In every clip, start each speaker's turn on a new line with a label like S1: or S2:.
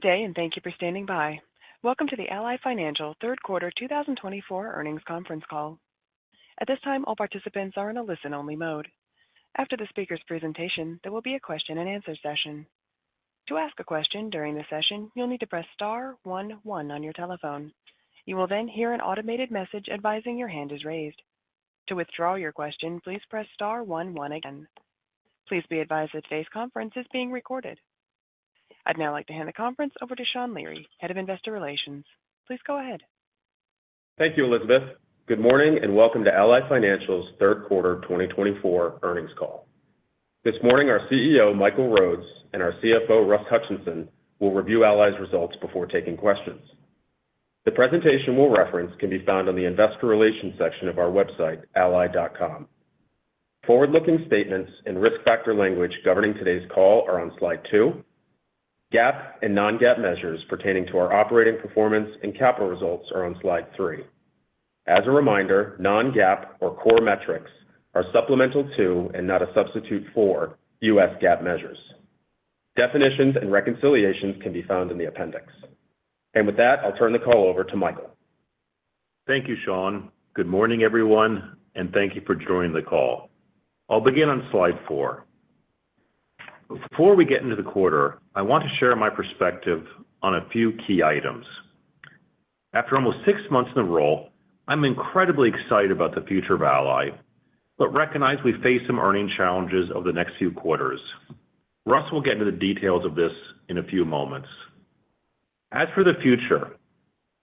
S1: Good day, and thank you for standing by. Welcome to the Ally Financial third quarter 2024 earnings conference call. At this time, all participants are in a listen-only mode. After the speaker's presentation, there will be a question-and-answer session. To ask a question during the session, you'll need to press star one one on your telephone. You will then hear an automated message advising your hand is raised. To withdraw your question, please press star one one again. Please be advised that today's conference is being recorded. I'd now like to hand the conference over to Sean Leary, Head of Investor Relations. Please go ahead.
S2: Thank you, Elizabeth. Good morning, and welcome to Ally Financial's third quarter twenty twenty-four earnings call. This morning, our CEO, Michael Rhodes, and our CFO, Russ Hutchinson, will review Ally's results before taking questions. The presentation we'll reference can be found on the investor relations section of our website, ally.com. Forward-looking statements and risk factor language governing today's call are on Slide two. GAAP and non-GAAP measures pertaining to our operating performance and capital results are on Slide three. As a reminder, non-GAAP, or core metrics, are supplemental to, and not a substitute for, U.S. GAAP measures. Definitions and reconciliations can be found in the appendix. And with that, I'll turn the call over to Michael.
S3: Thank you, Sean. Good morning, everyone, and thank you for joining the call. I'll begin on Slide four. Before we get into the quarter, I want to share my perspective on a few key items. After almost six months in the role, I'm incredibly excited about the future of Ally, but recognize we face some earnings challenges over the next few quarters. Russ will get into the details of this in a few moments. As for the future,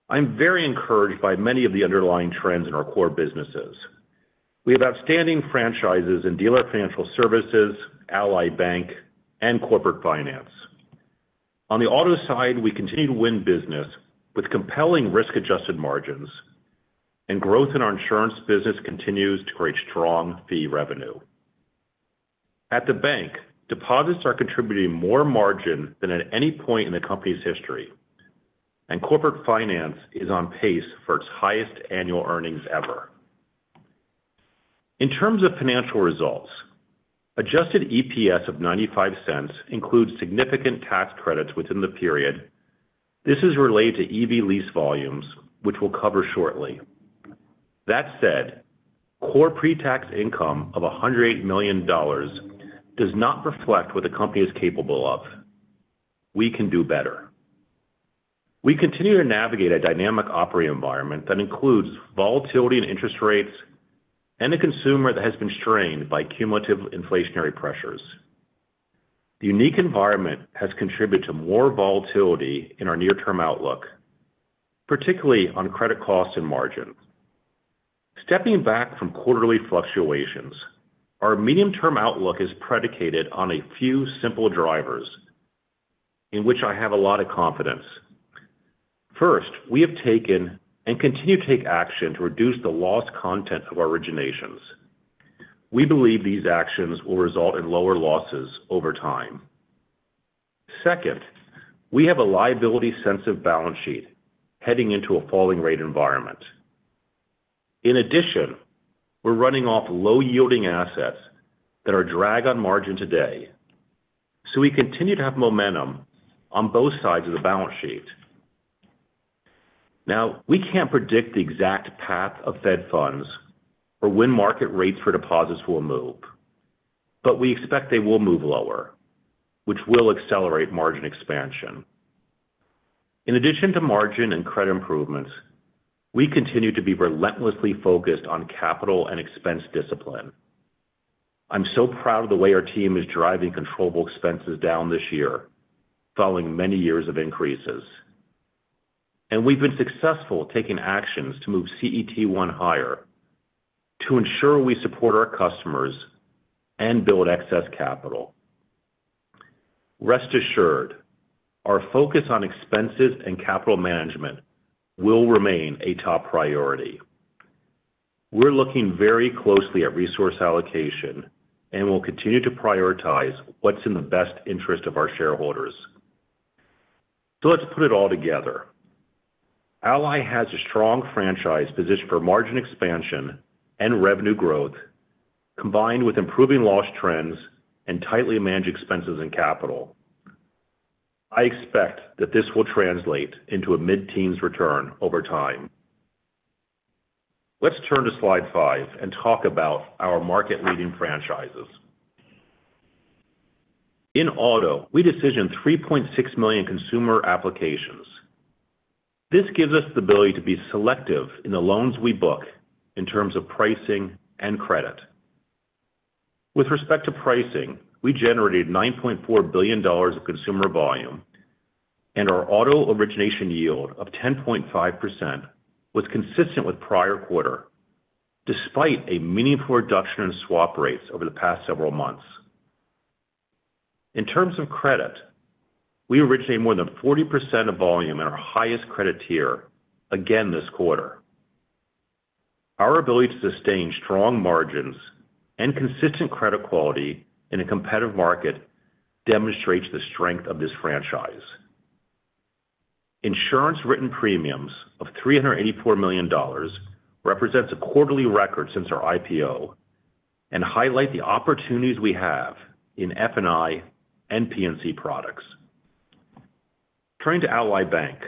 S3: I'm very encouraged by many of the underlying trends in our core businesses. We have outstanding franchises in Dealer Financial Services, Ally Bank, and Corporate Finance. On the auto side, we continue to win business with compelling risk-adjusted margins, and growth in our insurance business continues to create strong fee revenue. At the bank, deposits are contributing more margin than at any point in the company's history, and corporate finance is on pace for its highest annual earnings ever. In terms of financial results, adjusted EPS of $0.95 includes significant tax credits within the period. This is related to EV lease volumes, which we'll cover shortly. That said, core pretax income of $108 million does not reflect what the company is capable of. We can do better. We continue to navigate a dynamic operating environment that includes volatility in interest rates and a consumer that has been strained by cumulative inflationary pressures. The unique environment has contributed to more volatility in our near-term outlook, particularly on credit costs and margins. Stepping back from quarterly fluctuations, our medium-term outlook is predicated on a few simple drivers in which I have a lot of confidence. First, we have taken and continue to take action to reduce the loss content of our originations. We believe these actions will result in lower losses over time. Second, we have a liability-sensitive balance sheet heading into a falling rate environment. In addition, we're running off low-yielding assets that are a drag on margin today, so we continue to have momentum on both sides of the balance sheet. Now, we can't predict the exact path of Fed funds or when market rates for deposits will move, but we expect they will move lower, which will accelerate margin expansion. In addition to margin and credit improvements, we continue to be relentlessly focused on capital and expense discipline. I'm so proud of the way our team is driving controllable expenses down this year, following many years of increases, and we've been successful taking actions to move CET1 higher to ensure we support our customers and build excess capital. Rest assured, our focus on expenses and capital management will remain a top priority. We're looking very closely at resource allocation and will continue to prioritize what's in the best interest of our shareholders. So let's put it all together. Ally has a strong franchise position for margin expansion and revenue growth, combined with improving loss trends and tightly managed expenses and capital. I expect that this will translate into a mid-teens return over time. Let's turn to Slide five and talk about our market-leading franchises. In auto, we decisioned 3.6 million consumer applications. This gives us the ability to be selective in the loans we book in terms of pricing and credit. With respect to pricing, we generated $9.4 billion of consumer volume, and our auto origination yield of 10.5% was consistent with prior quarter, despite a meaningful reduction in swap rates over the past several months. In terms of credit, we originated more than 40% of volume in our highest credit tier again this quarter. Our ability to sustain strong margins and consistent credit quality in a competitive market demonstrates the strength of this franchise. Insurance written premiums of $384 million represents a quarterly record since our IPO, and highlight the opportunities we have in F&I and P&C products. Turning to Ally Bank.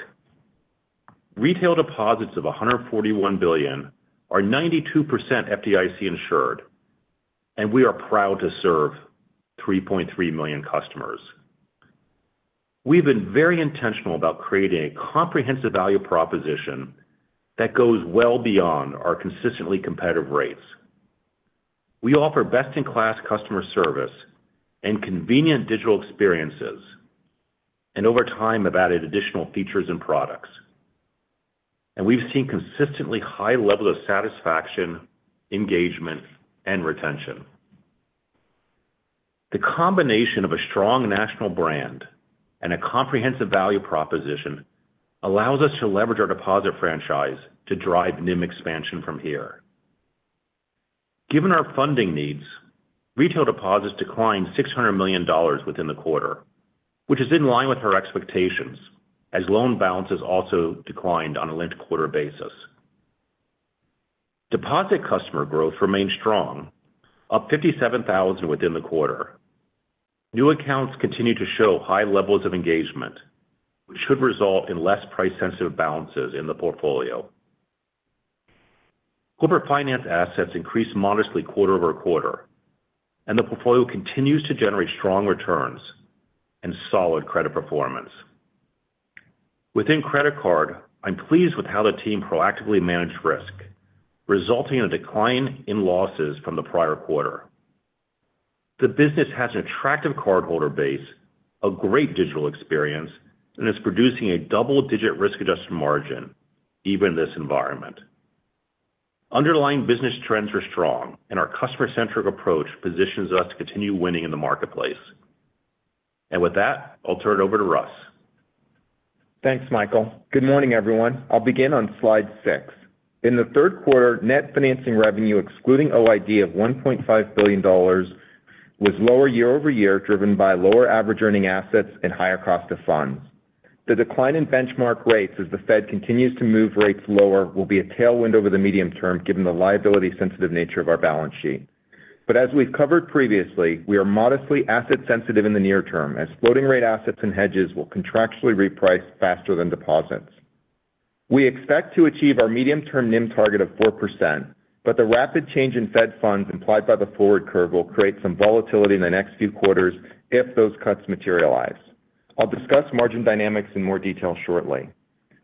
S3: Retail deposits of $141 billion are 92% FDIC insured, and we are proud to serve 3.3 million customers. We've been very intentional about creating a comprehensive value proposition that goes well beyond our consistently competitive rates. We offer best-in-class customer service and convenient digital experiences, and over time, have added additional features and products. And we've seen consistently high levels of satisfaction, engagement, and retention. The combination of a strong national brand and a comprehensive value proposition allows us to leverage our deposit franchise to drive NIM expansion from here. Given our funding needs, retail deposits declined $600 million within the quarter, which is in line with our expectations, as loan balances also declined on a linked quarter basis. Deposit customer growth remained strong, up 57,000 within the quarter. New accounts continue to show high levels of engagement, which should result in less price-sensitive balances in the portfolio. Corporate finance assets increased modestly quarter-over-quarter, and the portfolio continues to generate strong returns and solid credit performance. Within credit card, I'm pleased with how the team proactively managed risk, resulting in a decline in losses from the prior quarter. The business has an attractive cardholder base, a great digital experience, and is producing a double-digit risk-adjusted margin, even in this environment. Underlying business trends are strong, and our customer-centric approach positions us to continue winning in the marketplace. And with that, I'll turn it over to Russ.
S4: Thanks, Michael. Good morning, everyone. I'll begin on Slide six. In the third quarter, net financing revenue, excluding OID, of $1.5 billion was lower year-over-year, driven by lower average earning assets and higher cost of funds. The decline in benchmark rates as the Fed continues to move rates lower will be a tailwind over the medium term, given the liability-sensitive nature of our balance sheet. But as we've covered previously, we are modestly asset sensitive in the near term, as floating rate assets and hedges will contractually reprice faster than deposits. We expect to achieve our medium-term NIM target of 4%, but the rapid change in Fed funds implied by the forward curve will create some volatility in the next few quarters if those cuts materialize. I'll discuss margin dynamics in more detail shortly.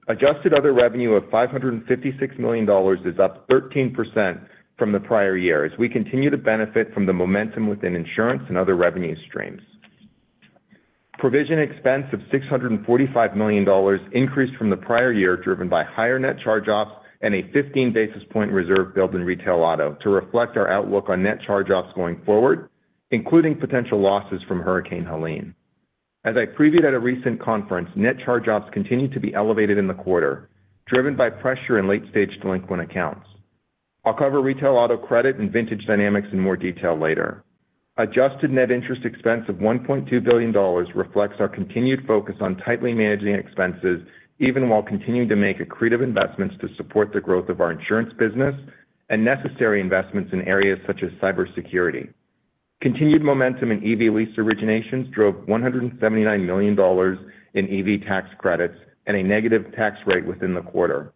S4: Adjusted other revenue of $556 million is up 13% from the prior year, as we continue to benefit from the momentum within insurance and other revenue streams. Provision expense of $645 million increased from the prior year, driven by higher net charge-offs and a 15 basis point reserve build in retail auto to reflect our outlook on net charge-offs going forward, including potential losses from Hurricane Helene. As I previewed at a recent conference, net charge-offs continued to be elevated in the quarter, driven by pressure in late-stage delinquent accounts. I'll cover retail auto credit and vintage dynamics in more detail later. Adjusted net interest expense of $1.2 billion reflects our continued focus on tightly managing expenses, even while continuing to make accretive investments to support the growth of our insurance business and necessary investments in areas such as cybersecurity. Continued momentum in EV lease originations drove $179 million in EV tax credits and a negative tax rate within the quarter.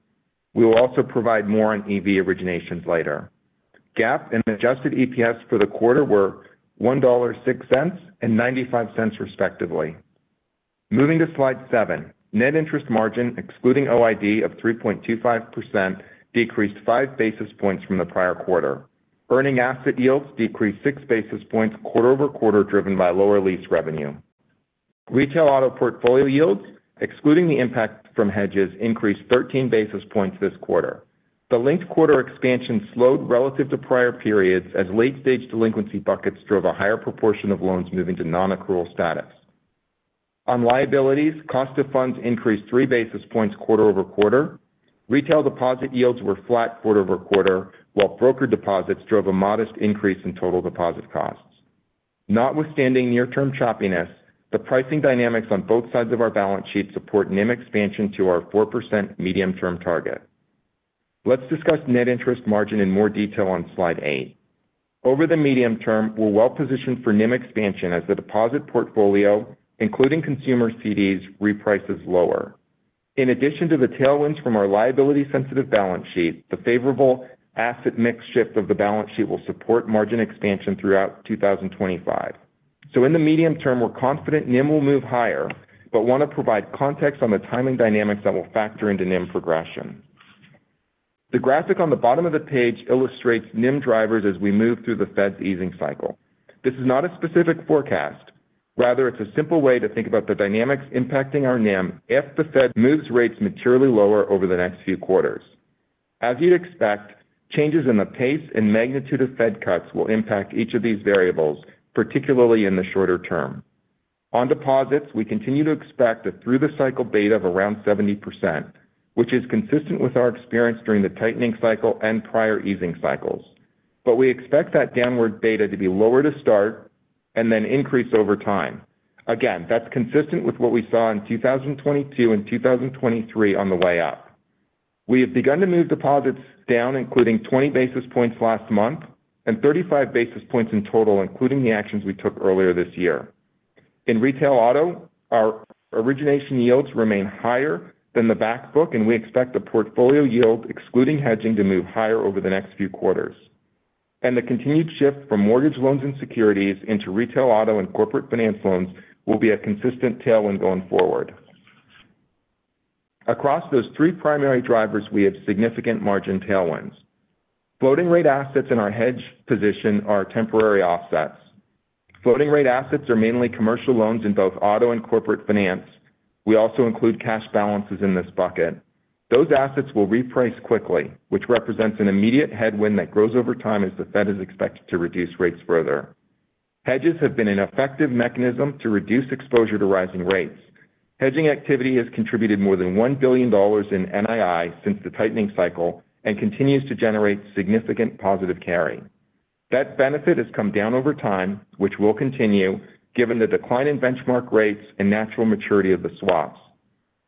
S4: We will also provide more on EV originations later. GAAP and adjusted EPS for the quarter were $1.06 and $0.95, respectively. Moving to Slide seven. Net interest margin, excluding OID, of 3.25%, decreased five basis points from the prior quarter. Earning asset yields decreased six basis points quarter-over-quarter, driven by lower lease revenue. Retail auto portfolio yields, excluding the impact from hedges, increased thirteen basis points this quarter. The linked quarter expansion slowed relative to prior periods as late-stage delinquency buckets drove a higher proportion of loans moving to non-accrual status. On liabilities, cost of funds increased three basis points quarter-over-quarter. Retail deposit yields were flat quarter-over-quarter, while broker deposits drove a modest increase in total deposit costs. Notwithstanding near-term choppiness, the pricing dynamics on both sides of our balance sheet support NIM expansion to our 4% medium-term target. Let's discuss net interest margin in more detail on Slide eight. Over the medium term, we're well positioned for NIM expansion as the deposit portfolio, including consumer CDs, reprices lower. In addition to the tailwinds from our liability-sensitive balance sheet, the favorable asset mix shift of the balance sheet will support margin expansion throughout 2025. In the medium term, we're confident NIM will move higher, but want to provide context on the timing dynamics that will factor into NIM progression. The graphic on the bottom of the page illustrates NIM drivers as we move through the Fed's easing cycle. This is not a specific forecast. Rather, it's a simple way to think about the dynamics impacting our NIM if the Fed moves rates materially lower over the next few quarters. As you'd expect, changes in the pace and magnitude of Fed cuts will impact each of these variables, particularly in the shorter term. On deposits, we continue to expect a through the cycle beta of around 70%, which is consistent with our experience during the tightening cycle and prior easing cycles. But we expect that downward beta to be lower to start and then increase over time. Again, that's consistent with what we saw in 2022 and 2023 on the way up. We have begun to move deposits down, including twenty basis points last month and thirty-five basis points in total, including the actions we took earlier this year. In retail auto, our origination yields remain higher than the back book, and we expect the portfolio yield, excluding hedging, to move higher over the next few quarters. And the continued shift from mortgage loans and securities into retail auto and corporate finance loans will be a consistent tailwind going forward. Across those three primary drivers, we have significant margin tailwinds. Floating rate assets in our hedge position are temporary offsets. Floating rate assets are mainly commercial loans in both auto and corporate finance. We also include cash balances in this bucket. Those assets will reprice quickly, which represents an immediate headwind that grows over time as the Fed is expected to reduce rates further. Hedges have been an effective mechanism to reduce exposure to rising rates. Hedging activity has contributed more than $1 billion in NII since the tightening cycle and continues to generate significant positive carry. That benefit has come down over time, which will continue given the decline in benchmark rates and natural maturity of the swaps.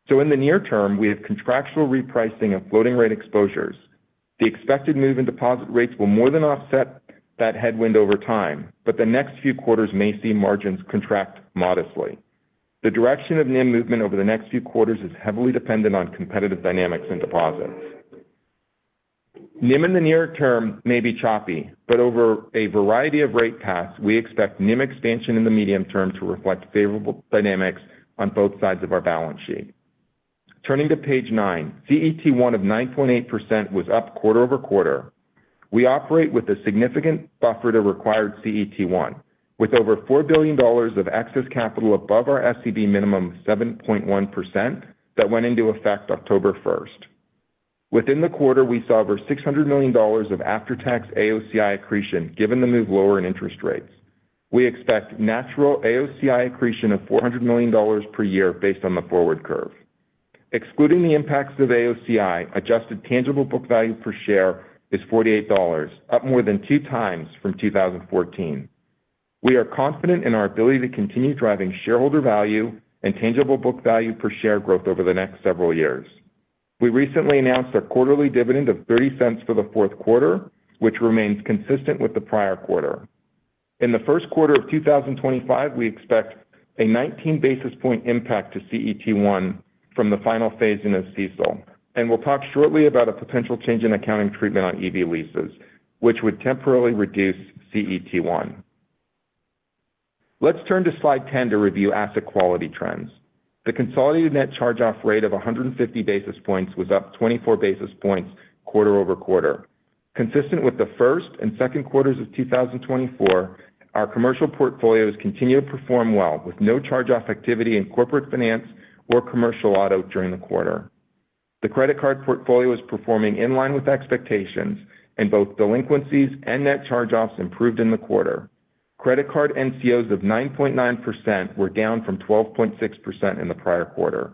S4: So in the near term, we have contractual repricing of floating rate exposures. The expected move in deposit rates will more than offset that headwind over time, but the next few quarters may see margins contract modestly. The direction of NIM movement over the next few quarters is heavily dependent on competitive dynamics and deposits. NIM in the near term may be choppy, but over a variety of rate paths, we expect NIM expansion in the medium term to reflect favorable dynamics on both sides of our balance sheet. Turning to Page nine, CET1 of 9.8% was up quarter-over-quarter. We operate with a significant buffer to required CET1, with over $4 billion of excess capital above our SCB minimum 7.1%, that went into effect October first. Within the quarter, we saw over $600 million of after-tax AOCI accretion, given the move lower in interest rates. We expect natural AOCI accretion of $400 million per year based on the forward curve. Excluding the impacts of AOCI, adjusted tangible book value per share is $48, up more than two times from 2014. We are confident in our ability to continue driving shareholder value and tangible book value per share growth over the next several years. We recently announced a quarterly dividend of $0.30 for the fourth quarter, which remains consistent with the prior quarter. In the first quarter of 2025, we expect a 19 basis point impact to CET1 from the final phase-in of CECL, and we'll talk shortly about a potential change in accounting treatment on EV leases, which would temporarily reduce CET1. Let's turn to Slide 10 to review asset quality trends. The consolidated net charge-off rate of 150 basis points was up 24 basis points quarter-over-quarter. Consistent with the first and second quarters of 2024, our commercial portfolios continue to perform well, with no charge-off activity in corporate finance or commercial auto during the quarter. The credit card portfolio is performing in line with expectations, and both delinquencies and net charge-offs improved in the quarter. Credit card NCOs of 9.9% were down from 12.6% in the prior quarter.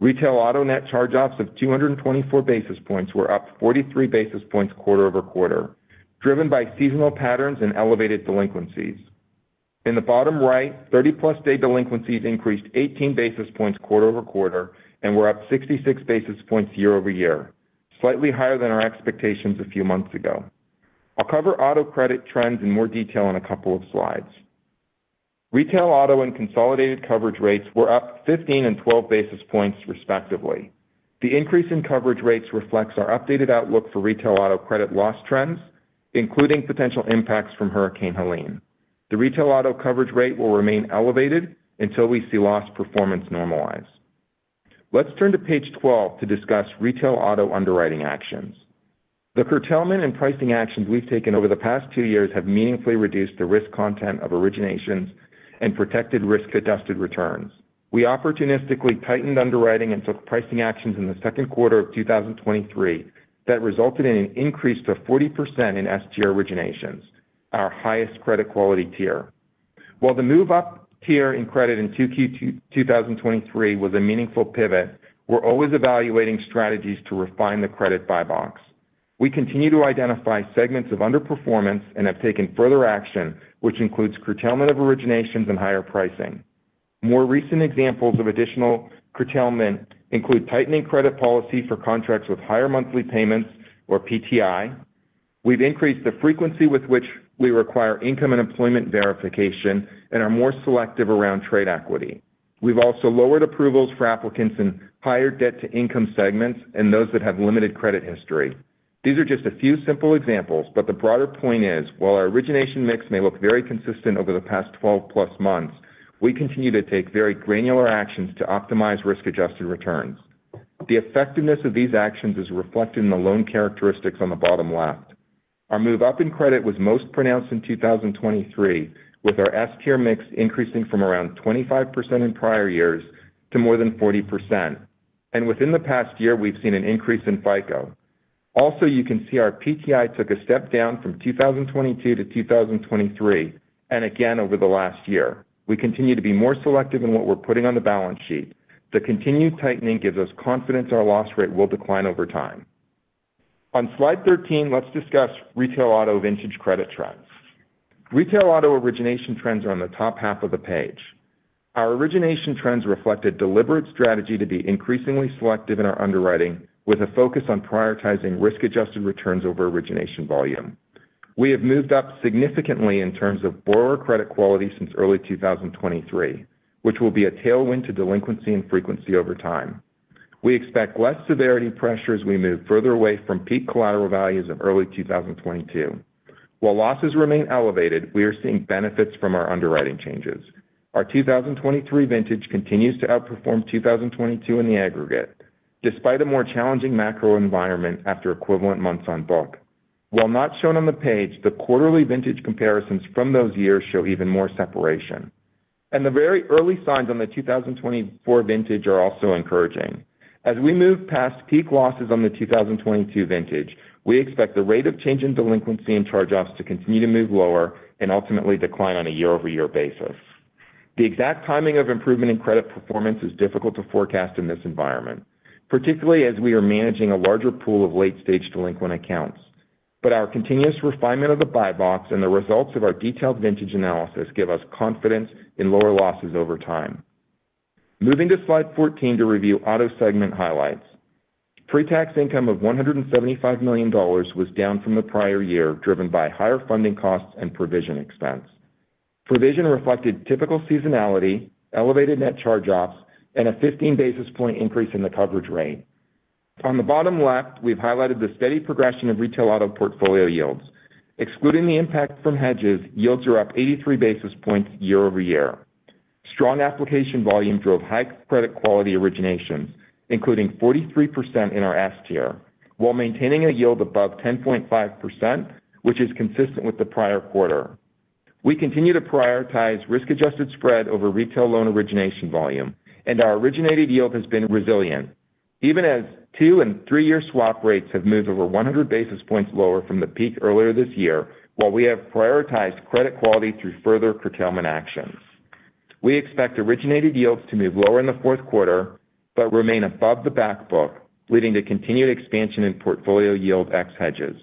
S4: Retail auto net charge-offs of 224 basis points were up 43 basis points quarter-over-quarter, driven by seasonal patterns and elevated delinquencies. In the bottom right, 30-plus day delinquencies increased 18 basis points quarter-over-quarter and were up 66 basis points year-over-year, slightly higher than our expectations a few months ago. I'll cover auto credit trends in more detail in a couple of slides. Retail auto and consolidated coverage rates were up 15 and 12 basis points, respectively. The increase in coverage rates reflects our updated outlook for retail auto credit loss trends, including potential impacts from Hurricane Helene. The retail auto coverage rate will remain elevated until we see loss performance normalize. Let's turn to Page 12 to discuss retail auto underwriting actions. The curtailment and pricing actions we've taken over the past two years have meaningfully reduced the risk content of originations and protected risk-adjusted returns. We opportunistically tightened underwriting and took pricing actions in the second quarter of 2023 that resulted in an increase to 40% in S tier originations, our highest credit quality tier. While the move up tier in credit in 2Q 2023 was a meaningful pivot, we're always evaluating strategies to refine the credit buy box. We continue to identify segments of underperformance and have taken further action, which includes curtailment of originations and higher pricing. More recent examples of additional curtailment include tightening credit policy for contracts with higher monthly payments or PTI. We've increased the frequency with which we require income and employment verification and are more selective around trade equity. We've also lowered approvals for applicants in higher debt-to-income segments and those that have limited credit history. These are just a few simple examples, but the broader point is, while our origination mix may look very consistent over the past 12-plus months, we continue to take very granular actions to optimize risk-adjusted returns. The effectiveness of these actions is reflected in the loan characteristics on the bottom left. Our move up in credit was most pronounced in 2023, with our S tier mix increasing from around 25% in prior years to more than 40%, and within the past year, we've seen an increase in FICO. Also, you can see our PTI took a step down from 2022 to 2023, and again over the last year. We continue to be more selective in what we're putting on the balance sheet. The continued tightening gives us confidence our loss rate will decline over time. On Slide 13, let's discuss retail auto vintage credit trends. Retail auto origination trends are on the top half of the page. Our origination trends reflect a deliberate strategy to be increasingly selective in our underwriting, with a focus on prioritizing risk-adjusted returns over origination volume. We have moved up significantly in terms of borrower credit quality since early 2023, which will be a tailwind to delinquency and frequency over time. We expect less severity pressure as we move further away from peak collateral values of early 2022. While losses remain elevated, we are seeing benefits from our underwriting changes. Our 2023 vintage continues to outperform 2022 in the aggregate, despite a more challenging macro environment after equivalent months on book. While not shown on the page, the quarterly vintage comparisons from those years show even more separation, and the very early signs on the 2024 vintage are also encouraging. As we move past peak losses on the 2022 vintage, we expect the rate of change in delinquency and charge-offs to continue to move lower and ultimately decline on a year-over-year basis. The exact timing of improvement in credit performance is difficult to forecast in this environment, particularly as we are managing a larger pool of late-stage delinquent accounts. But our continuous refinement of the buy box and the results of our detailed vintage analysis give us confidence in lower losses over time. Moving to Slide 14 to review auto segment highlights. Pre-tax income of $175 million was down from the prior year, driven by higher funding costs and provision expense. Provision reflected typical seasonality, elevated net charge-offs, and a 15 basis point increase in the coverage rate. On the bottom left, we've highlighted the steady progression of retail auto portfolio yields. Excluding the impact from hedges, yields are up 83 basis points year-over-year. Strong application volume drove high credit quality originations, including 43% in our S tier, while maintaining a yield above 10.5%, which is consistent with the prior quarter. We continue to prioritize risk-adjusted spread over retail loan origination volume, and our originated yield has been resilient, even as two- and three-year swap rates have moved over 100 basis points lower from the peak earlier this year, while we have prioritized credit quality through further curtailment actions. We expect originated yields to move lower in the fourth quarter, but remain above the back book, leading to continued expansion in portfolio yield ex hedges.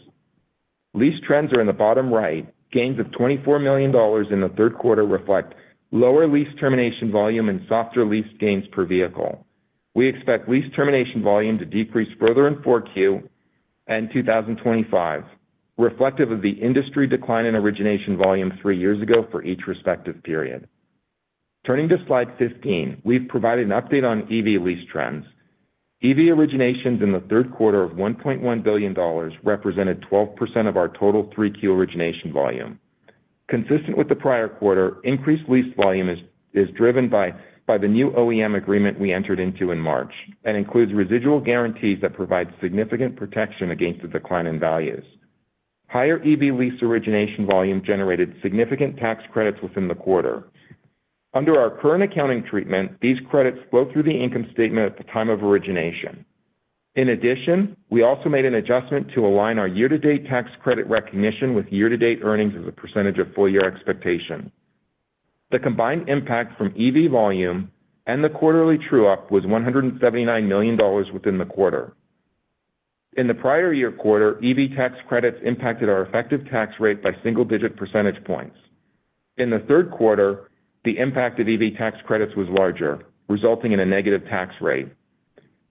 S4: Lease trends are in the bottom right. Gains of $24 million in the third quarter reflect lower lease termination volume and softer lease gains per vehicle. We expect lease termination volume to decrease further in 4Q and 2025, reflective of the industry decline in origination volume 3 years ago for each respective period. Turning to Slide 15, we've provided an update on EV lease trends. EV originations in the third quarter of $1.1 billion represented 12% of our total 3Q origination volume. Consistent with the prior quarter, increased lease volume is driven by the new OEM agreement we entered into in March, and includes residual guarantees that provide significant protection against the decline in values. Higher EV lease origination volume generated significant tax credits within the quarter. Under our current accounting treatment, these credits flow through the income statement at the time of origination. In addition, we also made an adjustment to align our year-to-date tax credit recognition with year-to-date earnings as a percentage of full year expectation. The combined impact from EV volume and the quarterly true-up was $179 million within the quarter. In the prior year quarter, EV tax credits impacted our effective tax rate by single-digit percentage points. In the third quarter, the impact of EV tax credits was larger, resulting in a negative tax rate.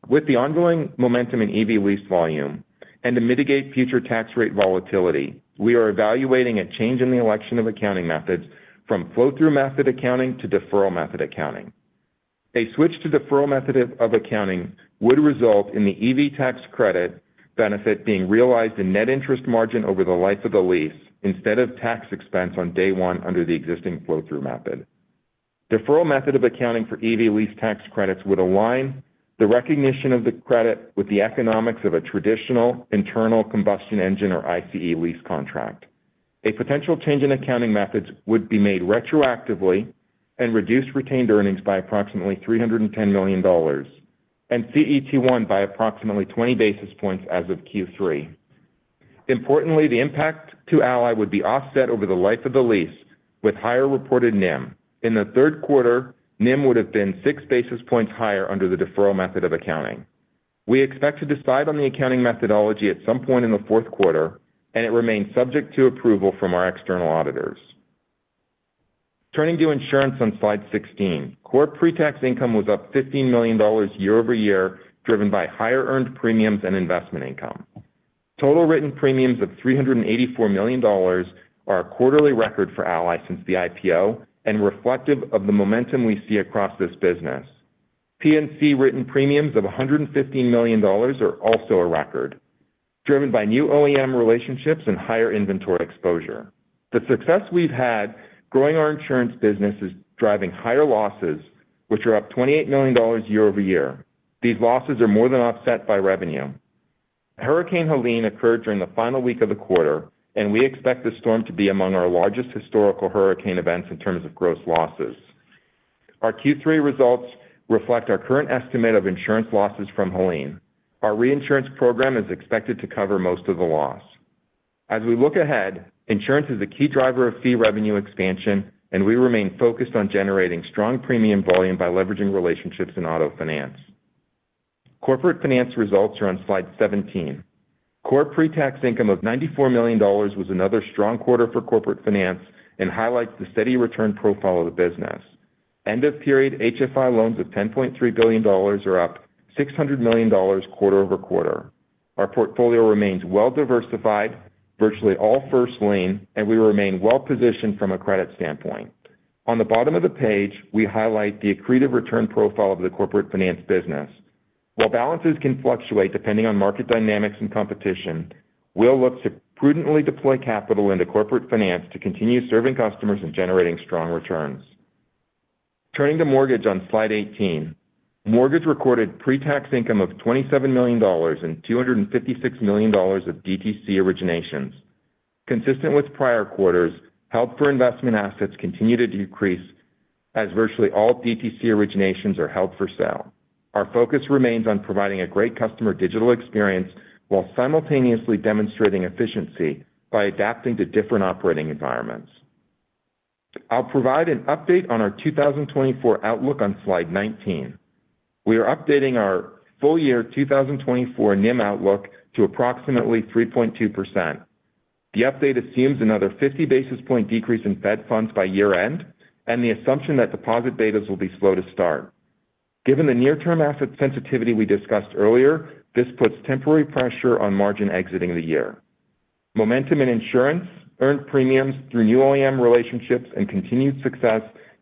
S4: With the ongoing momentum in EV lease volume and to mitigate future tax rate volatility, we are evaluating a change in the election of accounting methods from flow-through method accounting to deferral method accounting. A switch to deferral method of accounting would result in the EV tax credit benefit being realized in net interest margin over the life of the lease, instead of tax expense on day one under the existing flow-through method. Deferral method of accounting for EV lease tax credits would align the recognition of the credit with the economics of a traditional internal combustion engine, or ICE, lease contract. A potential change in accounting methods would be made retroactively and reduce retained earnings by approximately $310 million, and CET1 by approximately 20 basis points as of Q3. Importantly, the impact to Ally would be offset over the life of the lease with higher reported NIM. In the third quarter, NIM would have been 6 basis points higher under the deferral method of accounting. We expect to decide on the accounting methodology at some point in the fourth quarter, and it remains subject to approval from our external auditors. Turning to insurance on Slide 16. Core pre-tax income was up $15 million year-over-year, driven by higher earned premiums and investment income. Total written premiums of $384 million are a quarterly record for Ally since the IPO and reflective of the momentum we see across this business. P&C written premiums of $115 million are also a record, driven by new OEM relationships and higher inventory exposure. The success we've had growing our insurance business is driving higher losses, which are up $28 million year-over-year. These losses are more than offset by revenue. Hurricane Helene occurred during the final week of the quarter, and we expect the storm to be among our largest historical hurricane events in terms of gross losses. Our Q3 results reflect our current estimate of insurance losses from Helene. Our reinsurance program is expected to cover most of the loss. As we look ahead, insurance is a key driver of fee revenue expansion, and we remain focused on generating strong premium volume by leveraging relationships in auto finance. Corporate finance results are on Slide 17. Core pre-tax income of $94 million was another strong quarter for corporate finance and highlights the steady return profile of the business. End-of-period HFI loans of $10.3 billion are up $600 million quarter-over-quarter. Our portfolio remains well-diversified, virtually all first lien, and we remain well-positioned from a credit standpoint. On the bottom of the page, we highlight the accretive return profile of the corporate finance business. While balances can fluctuate depending on market dynamics and competition, we'll look to prudently deploy capital into corporate finance to continue serving customers and generating strong returns. Turning to mortgage on Slide 18. Mortgage recorded pre-tax income of $27 million and $256 million of DTC originations. Consistent with prior quarters, held-for-investment assets continue to decrease as virtually all DTC originations are held for sale. Our focus remains on providing a great customer digital experience while simultaneously demonstrating efficiency by adapting to different operating environments. I'll provide an update on our 2024 outlook on Slide 19. We are updating our full-year 2024 NIM outlook to approximately 3.2%. The update assumes another 50 basis points decrease in Fed funds by year-end, and the assumption that deposit betas will be slow to start. Given the near-term asset sensitivity we discussed earlier, this puts temporary pressure on margin exiting the year. Momentum in insurance, earned premiums through new OEM relationships, and continued success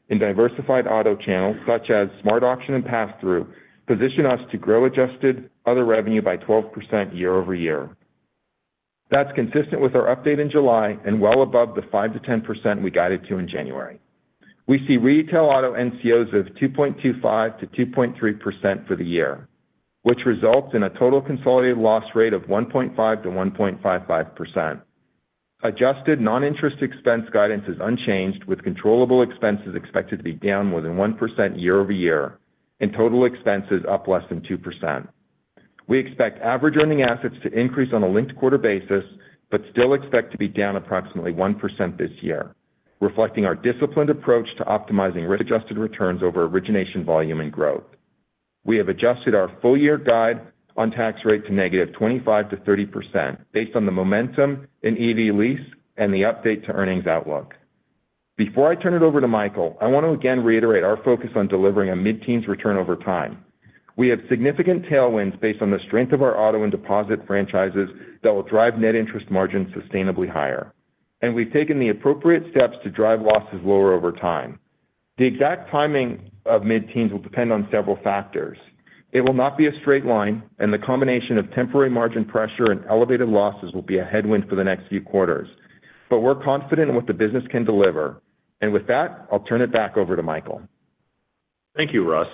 S4: in diversified auto channels, such as SmartAuction and Pass-Through, position us to grow adjusted other revenue by 12% year-over-year. That's consistent with our update in July and well above the 5%-10% we guided to in January. We see retail auto NCOs of 2.25%-2.3% for the year, which results in a total consolidated loss rate of 1.5%-1.55%. Adjusted non-interest expense guidance is unchanged, with controllable expenses expected to be down more than 1% year-over-year and total expenses up less than 2%. We expect average earning assets to increase on a linked quarter basis, but still expect to be down approximately 1% this year, reflecting our disciplined approach to optimizing risk-adjusted returns over origination volume and growth. We have adjusted our full-year guide on tax rate to -25% to 30% based on the momentum in EV lease and the update to earnings outlook. Before I turn it over to Michael, I want to again reiterate our focus on delivering a mid-teens return over time. We have significant tailwinds based on the strength of our auto and deposit franchises that will drive net interest margins sustainably higher, and we've taken the appropriate steps to drive losses lower over time. The exact timing of mid-teens will depend on several factors. It will not be a straight line, and the combination of temporary margin pressure and elevated losses will be a headwind for the next few quarters. But we're confident in what the business can deliver. And with that, I'll turn it back over to Michael.
S3: Thank you, Russ.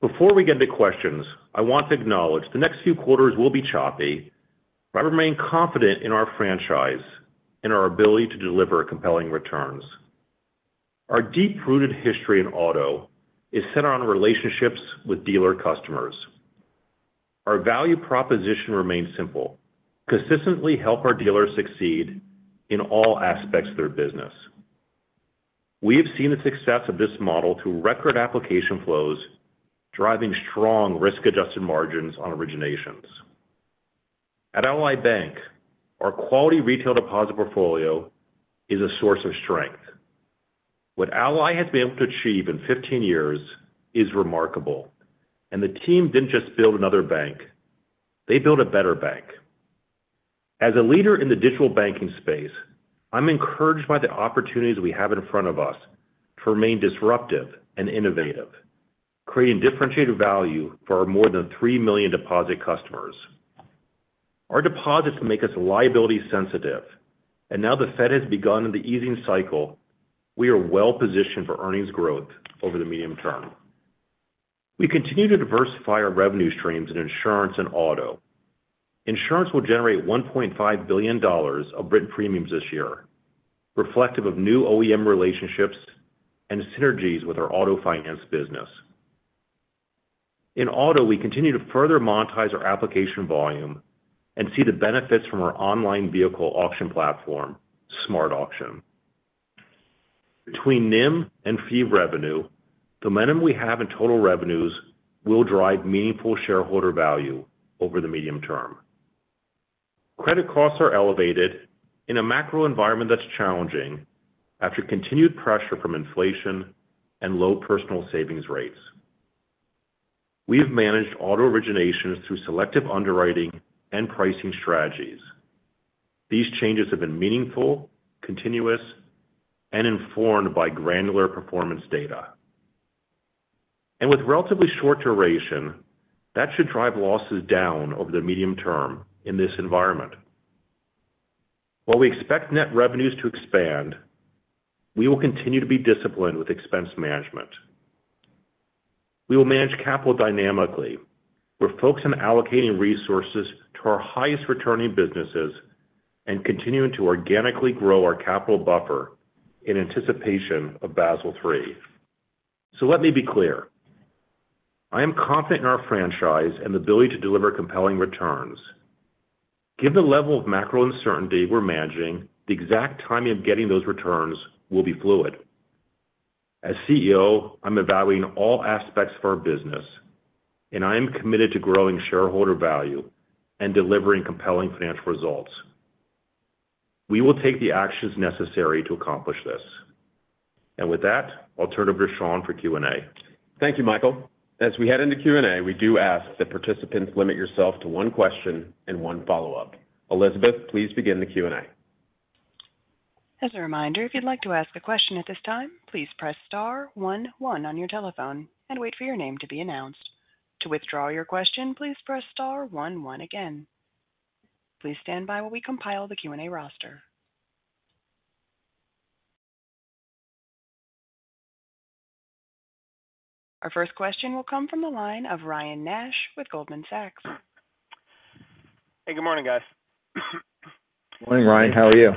S3: Before we get to questions, I want to acknowledge the next few quarters will be choppy, but I remain confident in our franchise and our ability to deliver compelling returns. Our deep-rooted history in auto is centered on relationships with dealer customers. Our value proposition remains simple: consistently help our dealers succeed in all aspects of their business. We have seen the success of this model through record application flows, driving strong risk-adjusted margins on originations. At Ally Bank, our quality retail deposit portfolio is a source of strength. What Ally has been able to achieve in fifteen years is remarkable, and the team didn't just build another bank, they built a better bank. As a leader in the digital banking space, I'm encouraged by the opportunities we have in front of us to remain disruptive and innovative, creating differentiated value for our more than three million deposit customers. Our deposits make us liability sensitive, and now the Fed has begun the easing cycle, we are well positioned for earnings growth over the medium term. We continue to diversify our revenue streams in insurance and auto. Insurance will generate $1.5 billion of written premiums this year, reflective of new OEM relationships and synergies with our auto finance business. In auto, we continue to further monetize our application volume and see the benefits from our online vehicle auction platform, SmartAuction. Between NIM and fee revenue, the momentum we have in total revenues will drive meaningful shareholder value over the medium term. Credit costs are elevated in a macro environment that's challenging after continued pressure from inflation and low personal savings rates. We have managed auto originations through selective underwriting and pricing strategies. These changes have been meaningful, continuous, and informed by granular performance data. And with relatively short duration, that should drive losses down over the medium term in this environment. While we expect net revenues to expand, we will continue to be disciplined with expense management. We will manage capital dynamically. We're focused on allocating resources to our highest-returning businesses and continuing to organically grow our capital buffer in anticipation of Basel III. So let me be clear. I am confident in our franchise and the ability to deliver compelling returns. Given the level of macro uncertainty we're managing, the exact timing of getting those returns will be fluid. As CEO, I'm evaluating all aspects of our business, and I am committed to growing shareholder value and delivering compelling financial results. We will take the actions necessary to accomplish this. And with that, I'll turn it over to Sean for Q&A.
S2: Thank you, Michael. As we head into Q&A, we do ask that participants limit yourselves to one question and one follow-up. Elizabeth, please begin the Q&A.
S1: As a reminder, if you'd like to ask a question at this time, please press star one, one on your telephone and wait for your name to be announced. To withdraw your question, please press star one, one again. Please stand by while we compile the Q&A roster. Our first question will come from the line of Ryan Nash with Goldman Sachs.
S5: Hey, good morning, guys.
S4: Good morning, Ryan. How are you?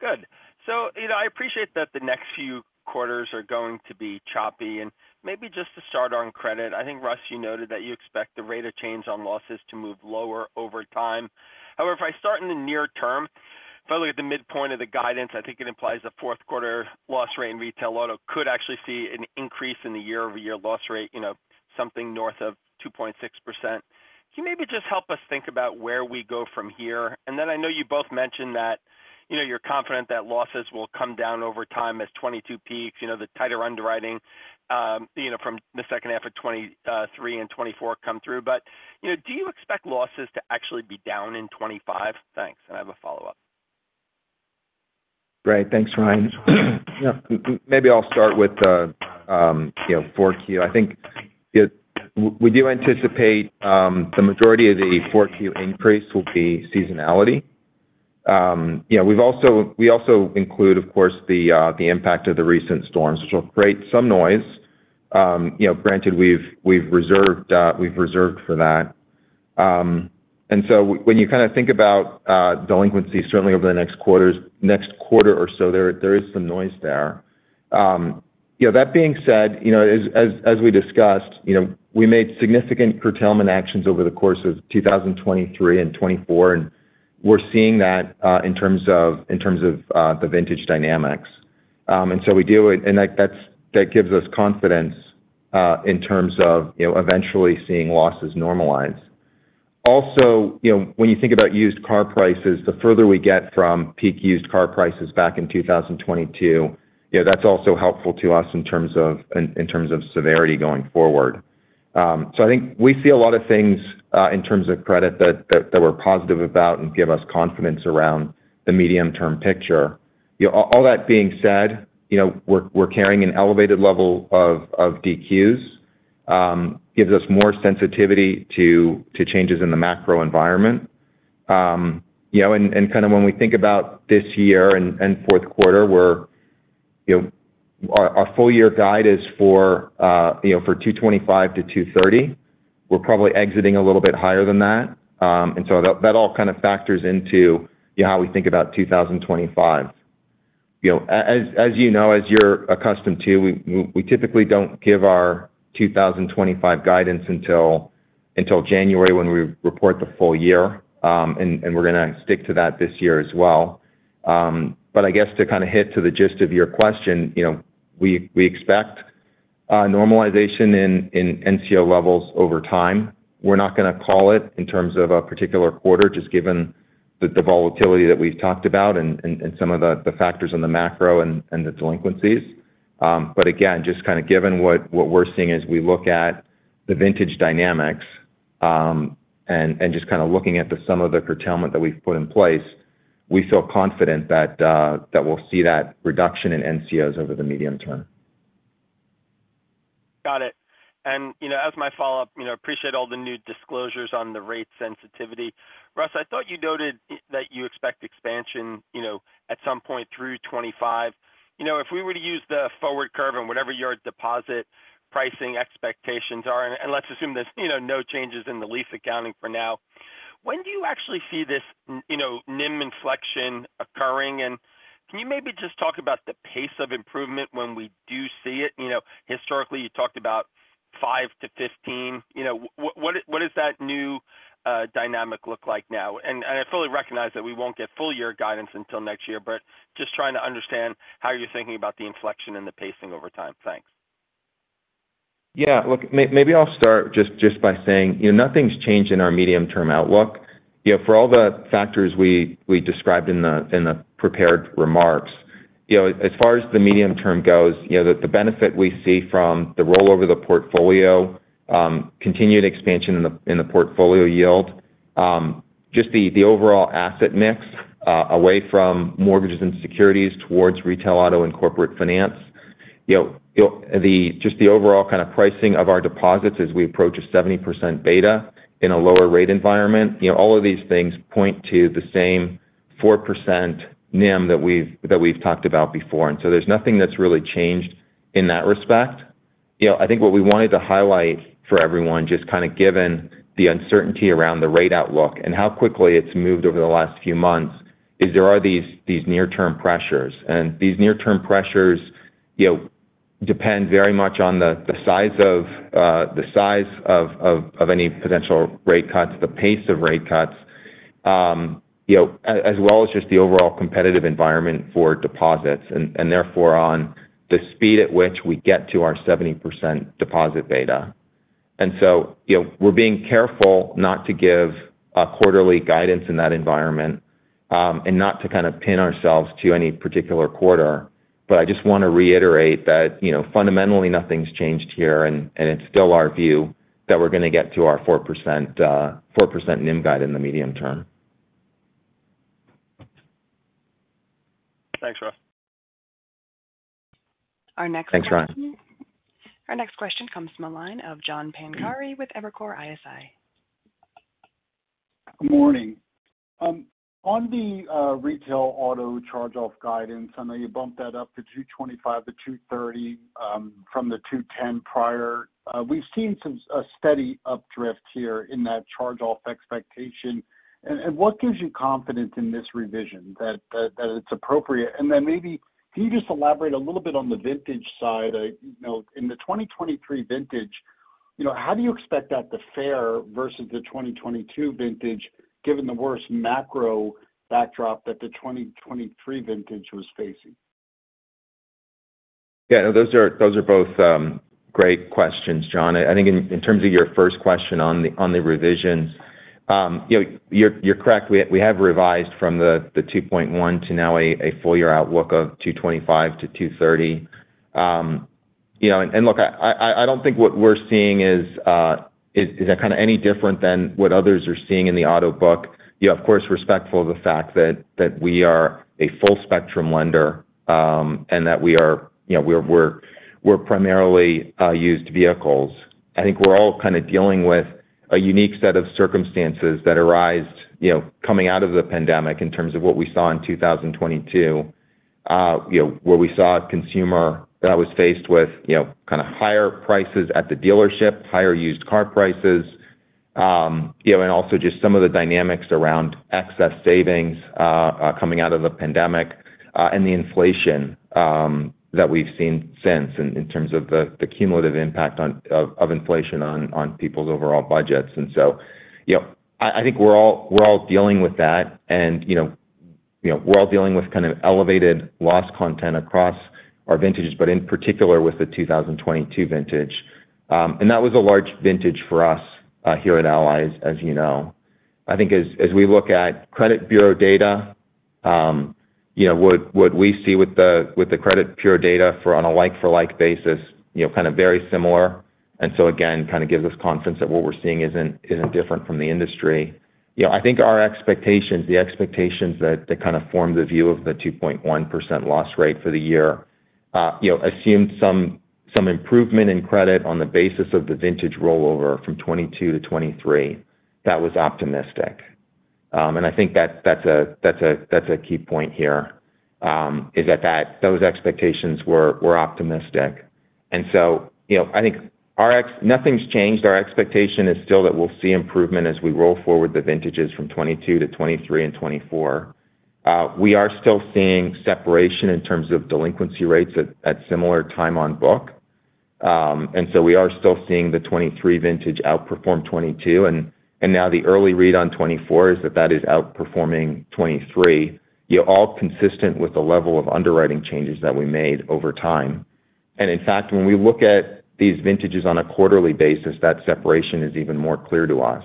S5: Good. So, you know, I appreciate that the next few quarters are going to be choppy. And maybe just to start on credit, I think, Russ, you noted that you expect the rate of change on losses to move lower over time. However, if I start in the near term, if I look at the midpoint of the guidance, I think it implies a fourth quarter loss rate in retail auto could actually see an increase in the year-over-year loss rate, you know, something north of 2.6%. Can you maybe just help us think about where we go from here? And then I know you both mentioned that, you know, you're confident that losses will come down over time as 2022 peaks, you know, the tighter underwriting, you know, from the second half of 2023 and 2024 come through. But, you know, do you expect losses to actually be down in 2025? Thanks, and I have a follow-up.
S4: Great. Thanks, Ryan. Yeah, maybe I'll start with, you know, four Q. I think, yeah, we do anticipate the majority of the four Q increase will be seasonality. You know, we also include, of course, the impact of the recent storms, which will create some noise. You know, granted, we've reserved for that. And so when you kind of think about delinquencies, certainly over the next quarters, next quarter or so, there is some noise there. You know, that being said, you know, as we discussed, you know, we made significant curtailment actions over the course of 2023 and 2024, and we're seeing that in terms of the vintage dynamics. And so we do it, and that gives us confidence in terms of you know eventually seeing losses normalize. Also, you know, when you think about used car prices, the further we get from peak used car prices back in two thousand twenty-two, you know, that's also helpful to us in terms of severity going forward. So I think we see a lot of things in terms of credit that we're positive about and give us confidence around the medium-term picture. You know, all that being said, you know, we're carrying an elevated level of DQs gives us more sensitivity to changes in the macro environment. You know, kind of when we think about this year and fourth quarter, we're, you know, our full year guide is for $2.25-$2.30. We're probably exiting a little bit higher than that. And so that all kind of factors into, you know, how we think about 2025. You know, as you know, as you're accustomed to, we typically don't give our 2025 guidance until January, when we report the full year. And we're gonna stick to that this year as well. But I guess to kind of hit to the gist of your question, you know, we expect normalization in NCO levels over time. We're not gonna call it in terms of a particular quarter, just given the volatility that we've talked about and some of the factors in the macro and the delinquencies. But again, just kind of given what we're seeing as we look at the vintage dynamics, and just kind of looking at some of the curtailment that we've put in place, we feel confident that we'll see that reduction in NCOs over the medium term.
S5: Got it. And, you know, as my follow-up, you know, appreciate all the new disclosures on the rate sensitivity. Russ, I thought you noted that you expect expansion, you know, at some point through twenty-five. You know, if we were to use the forward curve and whatever your deposit pricing expectations are, and, and let's assume there's, you know, no changes in the lease accounting for now. When do you actually see this, you know, NIM inflection occurring? And can you maybe just talk about the pace of improvement when we do see it? You know, historically, you talked about five to fifteen. You know, what, what is that new dynamic look like now? And, and I fully recognize that we won't get full year guidance until next year, but just trying to understand how you're thinking about the inflection and the pacing over time. Thanks.
S4: Yeah. Look, maybe I'll start just by saying, you know, nothing's changed in our medium-term outlook. You know, for all the factors we described in the prepared remarks, you know, as far as the medium term goes, you know, the benefit we see from the roll over the portfolio, continued expansion in the portfolio yield, just the overall asset mix, away from mortgages and securities towards retail, auto, and corporate finance. You know, just the overall kind of pricing of our deposits as we approach a 70% beta in a lower rate environment, you know, all of these things point to the same 4% NIM that we've talked about before. And so there's nothing that's really changed in that respect. You know, I think what we wanted to highlight for everyone, just kind of given the uncertainty around the rate outlook and how quickly it's moved over the last few months is there are these near-term pressures. And these near-term pressures, you know, depend very much on the size of any potential rate cuts, the pace of rate cuts, you know, as well as just the overall competitive environment for deposits, and therefore, on the speed at which we get to our 70% deposit beta. And so, you know, we're being careful not to give a quarterly guidance in that environment, and not to kind of pin ourselves to any particular quarter. But I just want to reiterate that, you know, fundamentally, nothing's changed here, and it's still our view that we're gonna get to our 4%, 4% NIM guide in the medium term.
S5: Thanks, Russ.
S1: Our next question-
S4: Thanks, Ryan.
S1: Our next question comes from the line of John Pancari with Evercore ISI.
S6: Good morning. On the retail auto charge-off guidance, I know you bumped that up to 2.25-2.30 from the 2.10 prior. We've seen some steady up drift here in that charge-off expectation, and what gives you confidence in this revision that it's appropriate? And then maybe can you just elaborate a little bit on the vintage side? You know, in the 2023 vintage, you know, how do you expect that to fare versus the 2022 vintage, given the worst macro backdrop that the 2023 vintage was facing?
S4: Yeah, those are both great questions, John. I think in terms of your first question on the revisions, you know, you're correct, we have revised from the 2.1 to now a full year outlook of 2.25-2.30. You know, and look, I don't think what we're seeing is kind of any different than what others are seeing in the auto book. You know, of course, respectful of the fact that we are a full-spectrum lender, and that we are, you know, we're primarily used vehicles. I think we're all kind of dealing with a unique set of circumstances that arose, you know, coming out of the pandemic in terms of what we saw in 2022. You know, where we saw a consumer that was faced with, you know, kind of higher prices at the dealership, higher used car prices, you know, and also just some of the dynamics around excess savings, coming out of the pandemic, and the inflation, that we've seen since in terms of the cumulative impact of inflation on people's overall budgets. You know, I think we're all dealing with that. You know, we're all dealing with kind of elevated loss content across our vintages, but in particular, with the 2022 vintage. That was a large vintage for us, here at Ally's, as you know. I think as we look at credit bureau data, you know, what we see with the credit bureau data for on a like-for-like basis, you know, kind of very similar. And so again, kind of gives us confidence that what we're seeing isn't different from the industry. You know, I think our expectations, the expectations that kind of form the view of the 2.1% loss rate for the year, you know, assumed some improvement in credit on the basis of the vintage rollover from 2022 to 2023. That was optimistic. And I think that's a key point here, is that those expectations were optimistic. And so, you know, I think our ex- nothing's changed. Our expectation is still that we'll see improvement as we roll forward the vintages from twenty-two to twenty-three and twenty-four. We are still seeing separation in terms of delinquency rates at similar time on book. And so we are still seeing the twenty-three vintage outperform twenty-two, and now the early read on twenty-four is that that is outperforming twenty-three. You know, all consistent with the level of underwriting changes that we made over time. And in fact, when we look at these vintages on a quarterly basis, that separation is even more clear to us.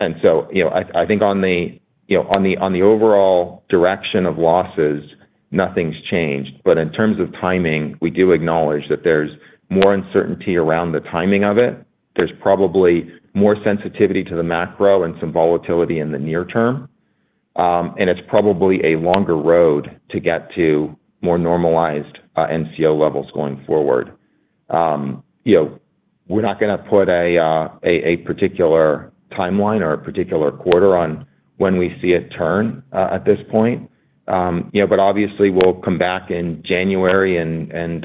S4: And so, you know, I think on the, you know, overall direction of losses, nothing's changed. But in terms of timing, we do acknowledge that there's more uncertainty around the timing of it. There's probably more sensitivity to the macro and some volatility in the near term, and it's probably a longer road to get to more normalized NCO levels going forward. You know, we're not gonna put a particular timeline or a particular quarter on when we see a turn at this point. You know, but obviously, we'll come back in January and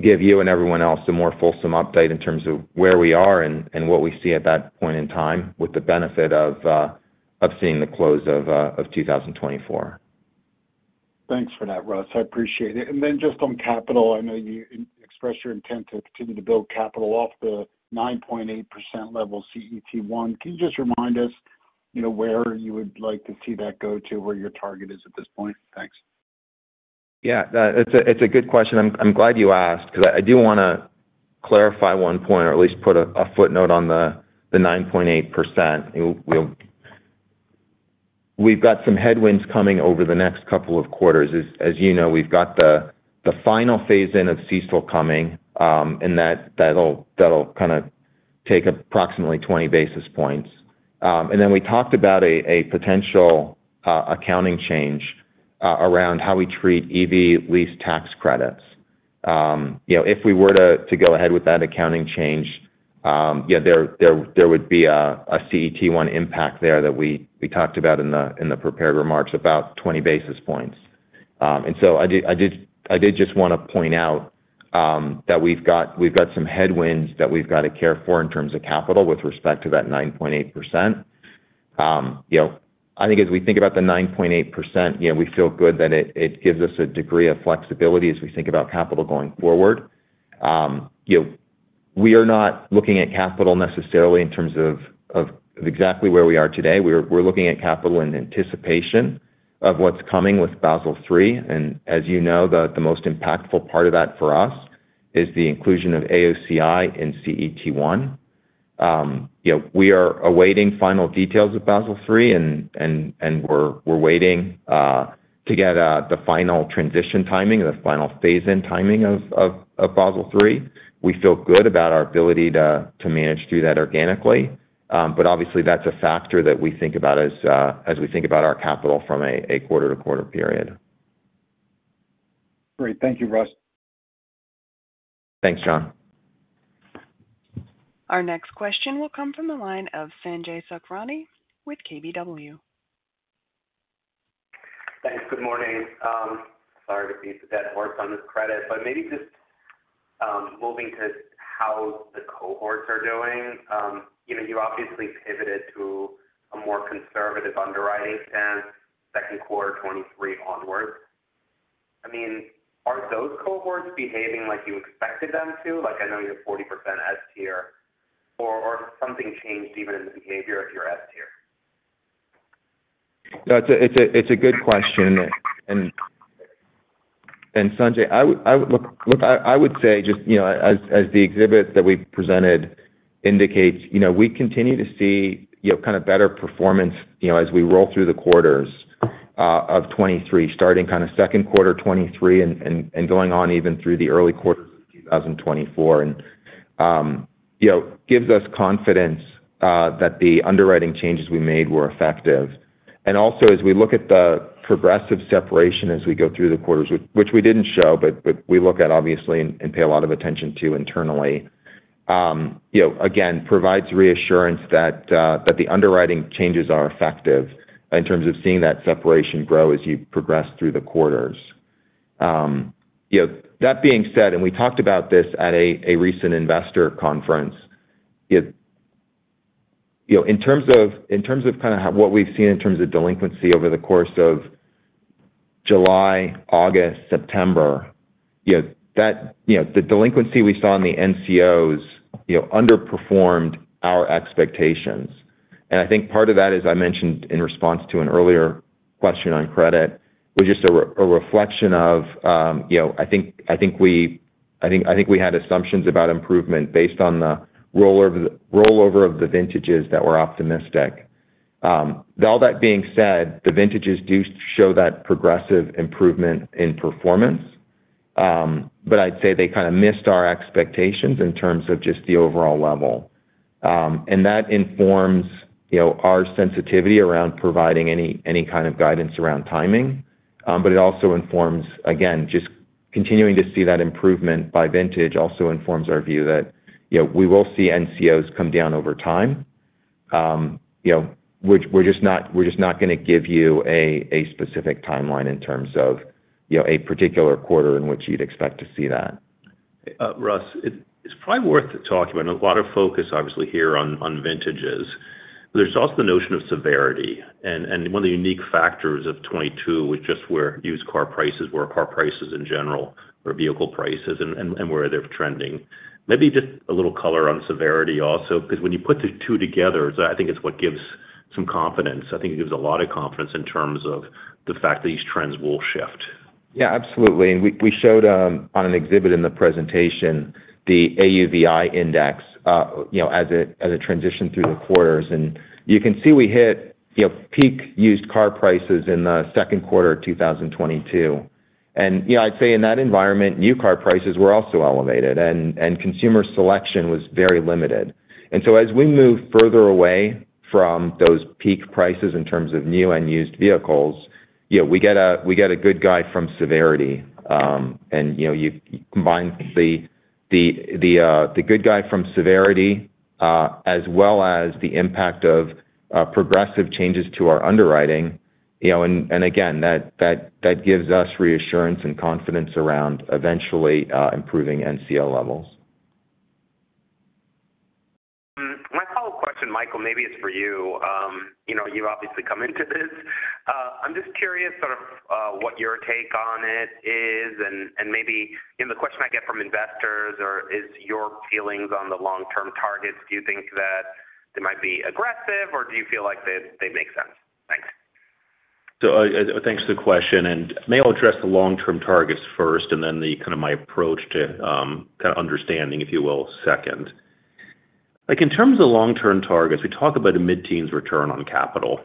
S4: give you and everyone else a more fulsome update in terms of where we are and what we see at that point in time, with the benefit of seeing the close of two thousand twenty-four.
S6: Thanks for that, Russ. I appreciate it. And then just on capital, I know you expressed your intent to continue to build capital off the 9.8% level, CET1. Can you just remind us, you know, where you would like to see that go to, where your target is at this point? Thanks.
S4: Yeah, it's a good question. I'm glad you asked, because I do wanna clarify one point, or at least put a footnote on the 9.8%. We've got some headwinds coming over the next couple of quarters. As you know, we've got the final phase-in of CECL coming, and that'll kinda take approximately 20 basis points. And then we talked about a potential accounting change around how we treat EV lease tax credits. You know, if we were to go ahead with that accounting change, yeah, there would be a CET1 impact there that we talked about in the prepared remarks, about 20 basis points.... And so I did just wanna point out that we've got some headwinds that we've got to care for in terms of capital with respect to that 9.8%. You know, I think as we think about the 9.8%, you know, we feel good that it gives us a degree of flexibility as we think about capital going forward. You know, we are not looking at capital necessarily in terms of exactly where we are today. We're looking at capital in anticipation of what's coming with Basel III. And as you know, the most impactful part of that for us is the inclusion of AOCI in CET1. You know, we are awaiting final details of Basel III, and we're waiting to get the final transition timing or the final phase-in timing of Basel III. We feel good about our ability to manage through that organically. But obviously, that's a factor that we think about as we think about our capital from a quarter-to-quarter period.
S6: Great. Thank you, Russ.
S4: Thanks, John.
S1: Our next question will come from the line of Sanjay Sakhrani with KBW.
S7: Thanks. Good morning. Sorry to beat the dead horse on this credit, but maybe just moving to how the cohorts are doing. You know, you obviously pivoted to a more conservative underwriting stance, second quarter 2023 onwards. I mean, are those cohorts behaving like you expected them to? Like, I know you have 40% S tier, or has something changed even in the behavior of your S tier?
S4: No, it's a good question. And Sanjay, I would say just, you know, as the exhibits that we presented indicates, you know, we continue to see, you know, kind of better performance, you know, as we roll through the quarters of 2023, starting kind of second quarter 2023 and going on even through the early quarters of 2024. And, you know, gives us confidence that the underwriting changes we made were effective. And also, as we look at the progressive separation as we go through the quarters, which we didn't show, but we look at obviously and pay a lot of attention to internally, you know, again, provides reassurance that the underwriting changes are effective in terms of seeing that separation grow as you progress through the quarters. You know, that being said, and we talked about this at a recent investor conference, it. You know, in terms of kind of how what we've seen in terms of delinquency over the course of July, August, September, you know, that, you know, the delinquency we saw in the NCOs, you know, underperformed our expectations. And I think part of that, as I mentioned in response to an earlier question on credit, was just a reflection of, you know, I think we had assumptions about improvement based on the rollover of the vintages that were optimistic. All that being said, the vintages do show that progressive improvement in performance, but I'd say they kind of missed our expectations in terms of just the overall level. And that informs, you know, our sensitivity around providing any kind of guidance around timing, but it also informs, again, just continuing to see that improvement by vintage also informs our view that, you know, we will see NCOs come down over time. You know, we're just not gonna give you a specific timeline in terms of, you know, a particular quarter in which you'd expect to see that.
S3: Russ, it's probably worth talking about, and a lot of focus, obviously, here on vintages. There's also the notion of severity, and one of the unique factors of 2022 was just where used car prices were, car prices in general, or vehicle prices and where they're trending. Maybe just a little color on severity also, because when you put the two together, so I think it's what gives some confidence. I think it gives a lot of confidence in terms of the fact that these trends will shift.
S4: Yeah, absolutely. And we showed on an exhibit in the presentation, the AUVI index, you know, as it transitioned through the quarters. And you can see we hit, you know, peak used car prices in the second quarter of two thousand twenty-two. And, you know, I'd say in that environment, new car prices were also elevated, and consumer selection was very limited. And so as we move further away from those peak prices in terms of new and used vehicles, you know, we get a good guide from severity. And, you know, you combine the good guide from severity, as well as the impact of progressive changes to our underwriting, you know, and again, that gives us reassurance and confidence around eventually improving NCO levels.
S7: My follow-up question, Michael, maybe it's for you. You know, you've obviously come into this. I'm just curious sort of, what your take on it is, and maybe, you know, the question I get from investors or is your feelings on the long-term targets, do you think that they might be aggressive, or do you feel like they make sense? Thanks.
S3: So, thanks for the question, and maybe I'll address the long-term targets first, and then kind of my approach to kind of understanding, if you will, second. Like, in terms of long-term targets, we talk about a mid-teens return on capital.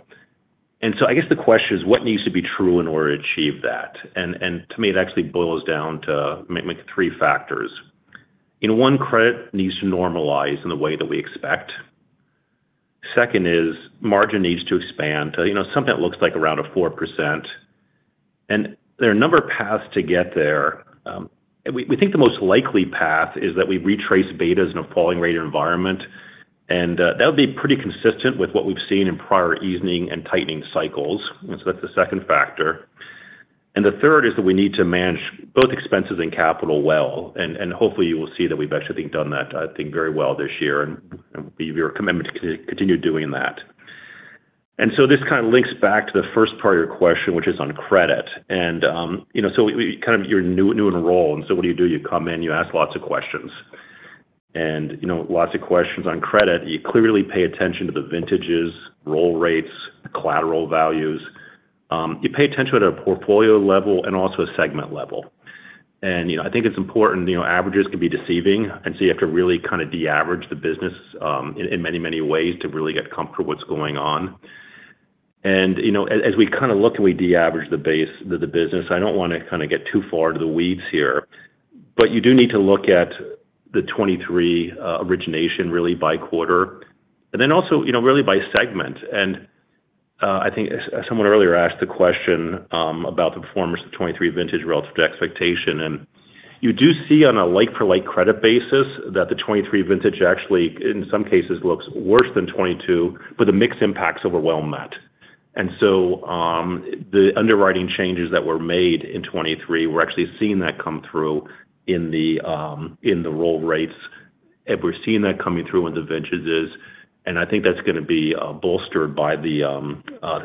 S3: And so I guess the question is: What needs to be true in order to achieve that? And to me, it actually boils down to like, three factors. You know, one, credit needs to normalize in the way that we expect. Second is, margin needs to expand to, you know, something that looks like around 4%. And there are a number of paths to get there. And we think the most likely path is that we retrace betas in a falling rate environment. And that would be pretty consistent with what we've seen in prior easing and tightening cycles. And so that's the second factor. And the third is that we need to manage both expenses and capital well, and hopefully you will see that we've actually done that, I think, very well this year, and we've your commitment to continue doing that. And so this kind of links back to the first part of your question, which is on credit. And you know, so we kind of you're new in role, and so what do you do? You come in, you ask lots of questions. And you know, lots of questions on credit, you clearly pay attention to the vintages, roll rates, collateral values. You pay attention at a portfolio level and also a segment level. You know, I think it's important. You know, averages can be deceiving, and so you have to really kind of de-average the business in many ways to really get a comfort of what's going on. You know, as we kind of look and we de-average the base, the business, I don't want to kind of get too far into the weeds here, but you do need to look at the 2023 origination really by quarter, and then also, you know, really by segment. I think as someone earlier asked the question about the performance of 2023 vintage relative to expectation, and you do see on a like-for-like credit basis that the 2023 vintage actually, in some cases, looks worse than 2022, but the mix impacts overwhelm that. And so, the underwriting changes that were made in 2023, we're actually seeing that come through in the roll rates, and we're seeing that coming through in the vintages, and I think that's gonna be bolstered by the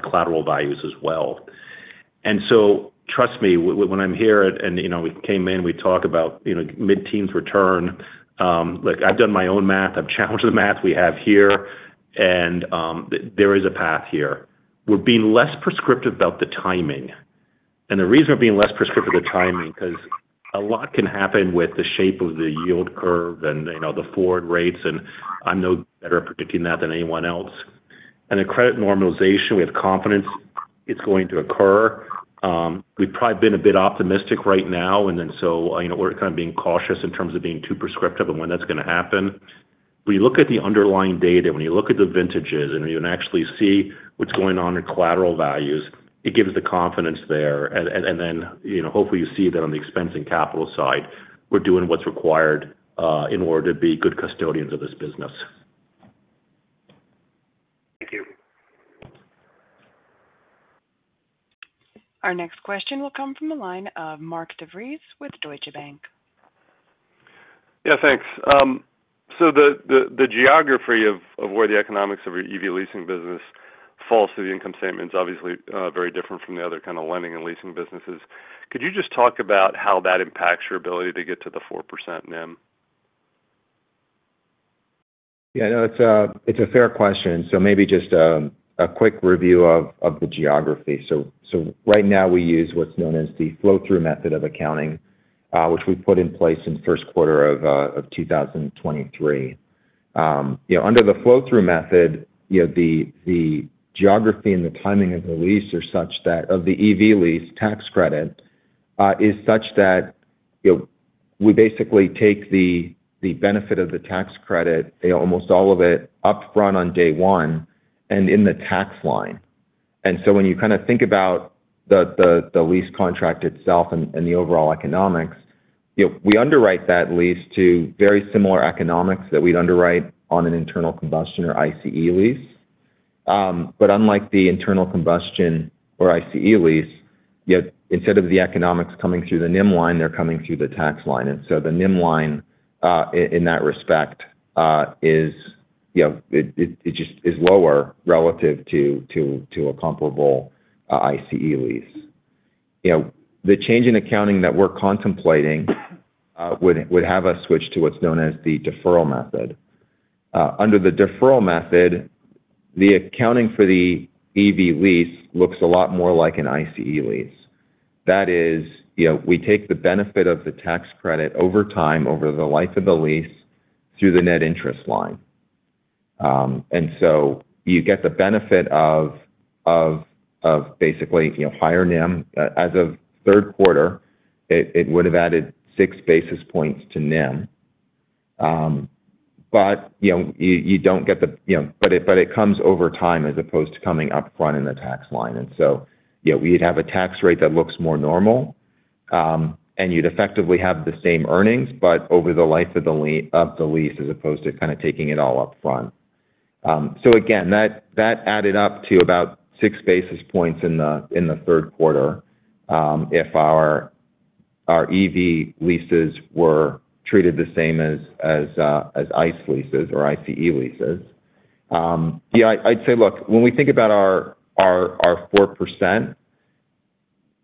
S3: collateral values as well. And so trust me, when I'm here, and, you know, we came in, we talked about, you know, mid-teens return. Look, I've done my own math. I've challenged the math we have here, and there is a path here. We're being less prescriptive about the timing, and the reason we're being less prescriptive with the timing, 'cause a lot can happen with the shape of the yield curve and, you know, the forward rates, and I'm no better at predicting that than anyone else. And the credit normalization, we have confidence it's going to occur. We've probably been a bit optimistic right now, and then so, you know, we're kind of being cautious in terms of being too prescriptive of when that's gonna happen. When you look at the underlying data, when you look at the vintages, and you can actually see what's going on in collateral values, it gives the confidence there. And then, you know, hopefully, you see that on the expense and capital side, we're doing what's required in order to be good custodians of this business.
S7: Thank you.
S1: Our next question will come from the line of Mark DeVries with Deutsche Bank.
S8: Yeah, thanks. So the geography of where the economics of your EV leasing business falls through the income statement is obviously very different from the other kind of lending and leasing businesses. Could you just talk about how that impacts your ability to get to the 4% NIM?
S4: Yeah, no, it's a fair question. So maybe just a quick review of the geography. So right now we use what's known as the flow-through method of accounting, which we put in place in the first quarter of 2023. You know, under the flow-through method, you know, the geography and the timing of the lease are such that of the EV lease tax credit is such that, you know, we basically take the benefit of the tax credit, you know, almost all of it, upfront on day one and in the tax line. And so when you kind of think about the lease contract itself and the overall economics, you know, we underwrite that lease to very similar economics that we'd underwrite on an internal combustion or ICE lease. But unlike the internal combustion or ICE lease, you know, instead of the economics coming through the NIM line, they're coming through the tax line. And so the NIM line, in that respect, is, you know, it just is lower relative to a comparable ICE lease. You know, the change in accounting that we're contemplating would have us switch to what's known as the deferral method. Under the deferral method, the accounting for the EV lease looks a lot more like an ICE lease. That is, you know, we take the benefit of the tax credit over time, over the life of the lease, through the net interest line. And so you get the benefit of basically, you know, higher NIM. As of third quarter, it would have added six basis points to NIM. But you know, you don't get the, you know. But it comes over time as opposed to coming upfront in the tax line. And so, you know, we'd have a tax rate that looks more normal, and you'd effectively have the same earnings, but over the life of the lease, as opposed to kind of taking it all upfront. So again, that added up to about six basis points in the third quarter, if our EV leases were treated the same as ICE leases. Yeah, I'd say, look, when we think about our 4%,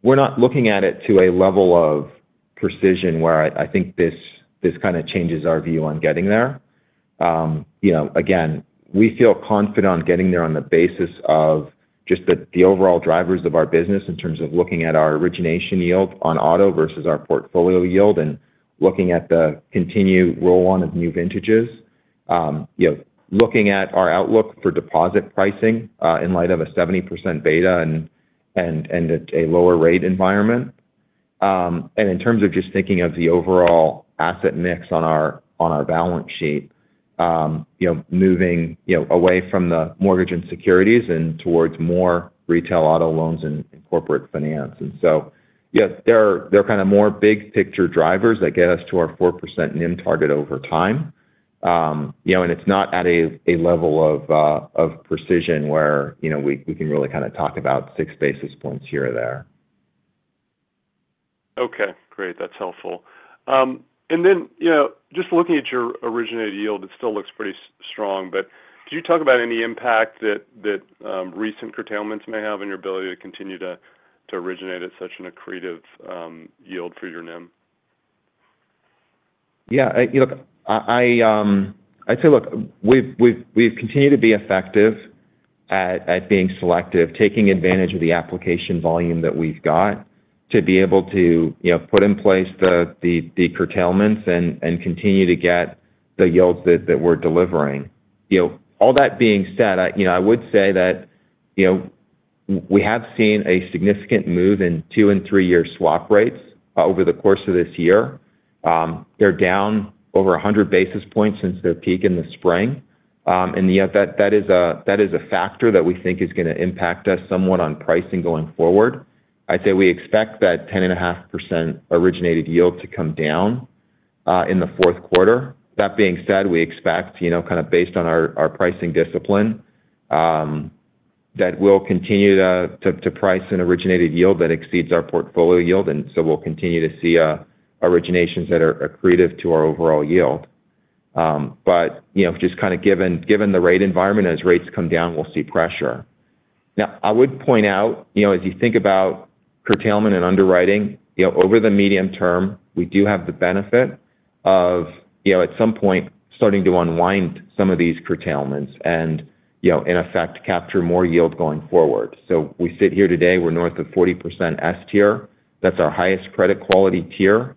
S4: we're not looking at it to a level of precision where I think this kind of changes our view on getting there. You know, again, we feel confident on getting there on the basis of just the overall drivers of our business in terms of looking at our origination yield on auto versus our portfolio yield, and looking at the continued roll-on of new vintages. You know, looking at our outlook for deposit pricing in light of a 70% beta and a lower rate environment. And in terms of just thinking of the overall asset mix on our balance sheet, you know, moving away from the mortgage and securities and towards more retail auto loans and corporate finance. And so, yes, there are kind of more big picture drivers that get us to our 4% NIM target over time. You know, and it's not at a level of precision where, you know, we can really kind of talk about six basis points here or there.
S8: Okay, great. That's helpful. And then, you know, just looking at your originated yield, it still looks pretty strong, but could you talk about any impact that recent curtailments may have on your ability to continue to originate at such an accretive yield for your NIM?
S4: Yeah, look, I'd say, look, we've continued to be effective at being selective, taking advantage of the application volume that we've got to be able to, you know, put in place the curtailments and continue to get the yields that we're delivering. You know, all that being said, I would say that we have seen a significant move in two and three-year swap rates over the course of this year. They're down over 100 basis points since their peak in the spring. Yeah, that is a factor that we think is gonna impact us somewhat on pricing going forward. I'd say we expect that 10.5% originated yield to come down in the fourth quarter. That being said, we expect, you know, kind of based on our pricing discipline, that we'll continue to price an originated yield that exceeds our portfolio yield, and so we'll continue to see originations that are accretive to our overall yield. But, you know, just kind of given the rate environment, as rates come down, we'll see pressure. Now, I would point out, you know, as you think about curtailment and underwriting, you know, over the medium term, we do have the benefit of, you know, at some point, starting to unwind some of these curtailments and, you know, in effect, capture more yield going forward. So we sit here today, we're north of 40% S tier. That's our highest credit quality tier.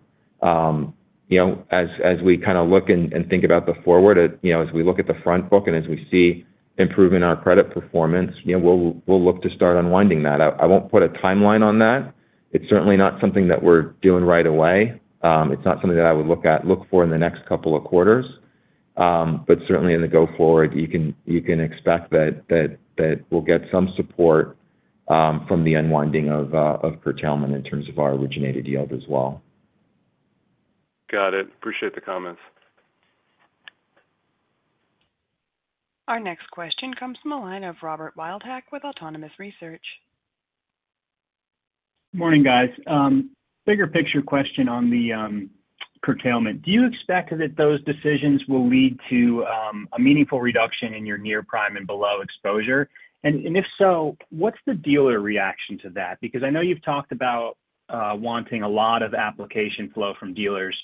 S4: You know, as we kind of look and think about the forward, you know, as we look at the front book and as we see improvement in our credit performance, you know, we'll look to start unwinding that out. I won't put a timeline on that. It's certainly not something that we're doing right away. It's not something that I would look for in the next couple of quarters. But certainly in the go forward, you can expect that we'll get some support from the unwinding of curtailment in terms of our originated yield as well.
S8: Got it. Appreciate the comments.
S1: Our next question comes from the line of Robert Wildhack with Autonomous Research.
S9: Morning, guys. Bigger picture question on the curtailment. Do you expect that those decisions will lead to a meaningful reduction in your near-prime and below exposure? And if so, what's the dealer reaction to that? Because I know you've talked about wanting a lot of application flow from dealers.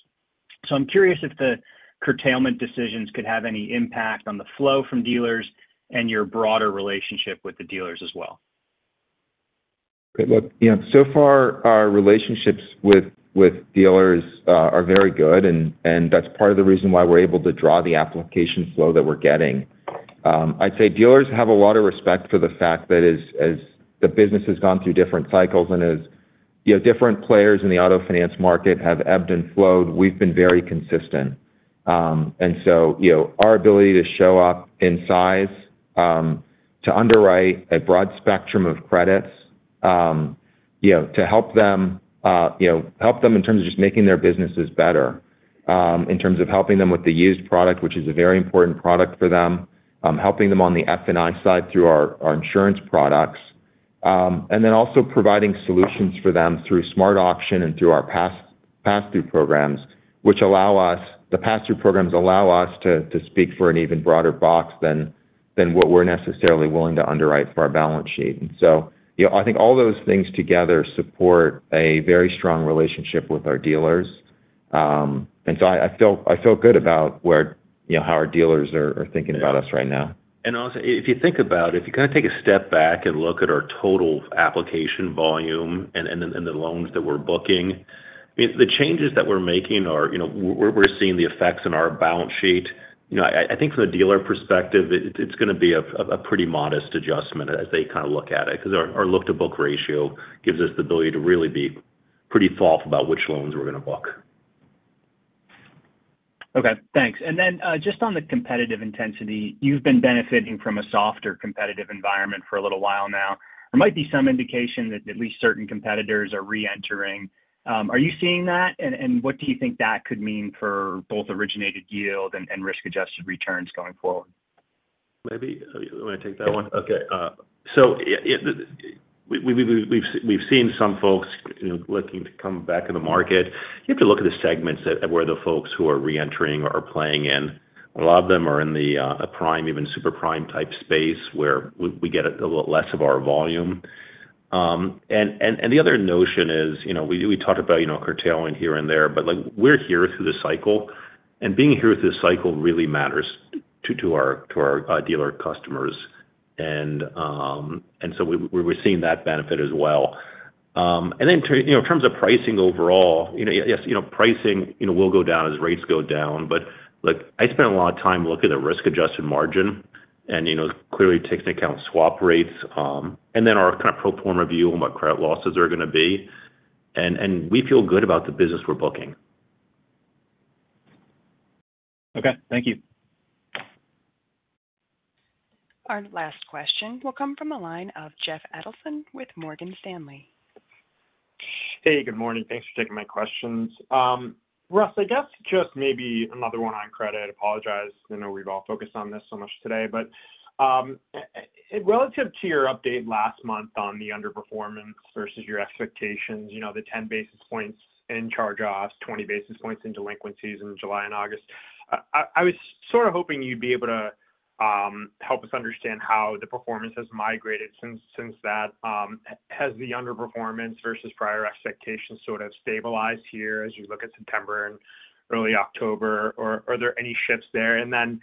S9: So I'm curious if the curtailment decisions could have any impact on the flow from dealers and your broader relationship with the dealers as well.
S4: Great. Look, you know, so far, our relationships with dealers are very good, and that's part of the reason why we're able to draw the application flow that we're getting. I'd say dealers have a lot of respect for the fact that as the business has gone through different cycles and as, you know, different players in the auto finance market have ebbed and flowed, we've been very consistent. and so, you know, our ability to show up in size, to underwrite a broad spectrum of credits, you know, to help them, you know, help them in terms of just making their businesses better, in terms of helping them with the used product, which is a very important product for them, helping them on the F&I side through our insurance products, and then also providing solutions for them through SmartAuction and through our pass-through programs, which allow us to speak for an even broader box than what we're necessarily willing to underwrite for our balance sheet. And so, you know, I think all those things together support a very strong relationship with our dealers. And so I feel good about where, you know, how our dealers are thinking about us right now.
S3: And also, if you think about it, if you kind of take a step back and look at our total application volume and the loans that we're booking, I mean, the changes that we're making are, you know, we're seeing the effects on our balance sheet. You know, I think from a dealer perspective, it's gonna be a pretty modest adjustment as they kind of look at it, because our look-to-book ratio gives us the ability to really be pretty thoughtful about which loans we're gonna book.
S9: Okay, thanks. And then, just on the competitive intensity, you've been benefiting from a softer competitive environment for a little while now. There might be some indication that at least certain competitors are reentering. Are you seeing that? And what do you think that could mean for both originated yield and risk-adjusted returns going forward?
S4: Maybe, you wanna take that one?
S3: Yeah. Okay, so we've seen some folks, you know, looking to come back in the market. You have to look at the segments that where the folks who are reentering or playing in. A lot of them are in the A Prime, even Super Prime type space, where we get a little less of our volume. And the other notion is, you know, we talked about, you know, curtailing here and there, but, like, we're here through the cycle, and being here through the cycle really matters to our dealer customers. And so we're seeing that benefit as well. And then, you know, in terms of pricing overall, you know, yes, you know, pricing, you know, will go down as rates go down. But, look, I spent a lot of time looking at risk-adjusted margin, and, you know, clearly takes into account swap rates, and then our kind of pro forma view on what credit losses are gonna be. And we feel good about the business we're booking.
S9: Okay, thank you.
S1: Our last question will come from the line of Jeff Adelson with Morgan Stanley.
S10: Hey, good morning. Thanks for taking my questions. Russ, I guess just maybe another one on credit. I apologize. I know we've all focused on this so much today, but relative to your update last month on the underperformance versus your expectations, you know, the ten basis points in charge-offs, twenty basis points in delinquencies in July and August, I was sort of hoping you'd be able to help us understand how the performance has migrated since that. Has the underperformance versus prior expectations sort of stabilized here as you look at September and early October, or are there any shifts there? And then,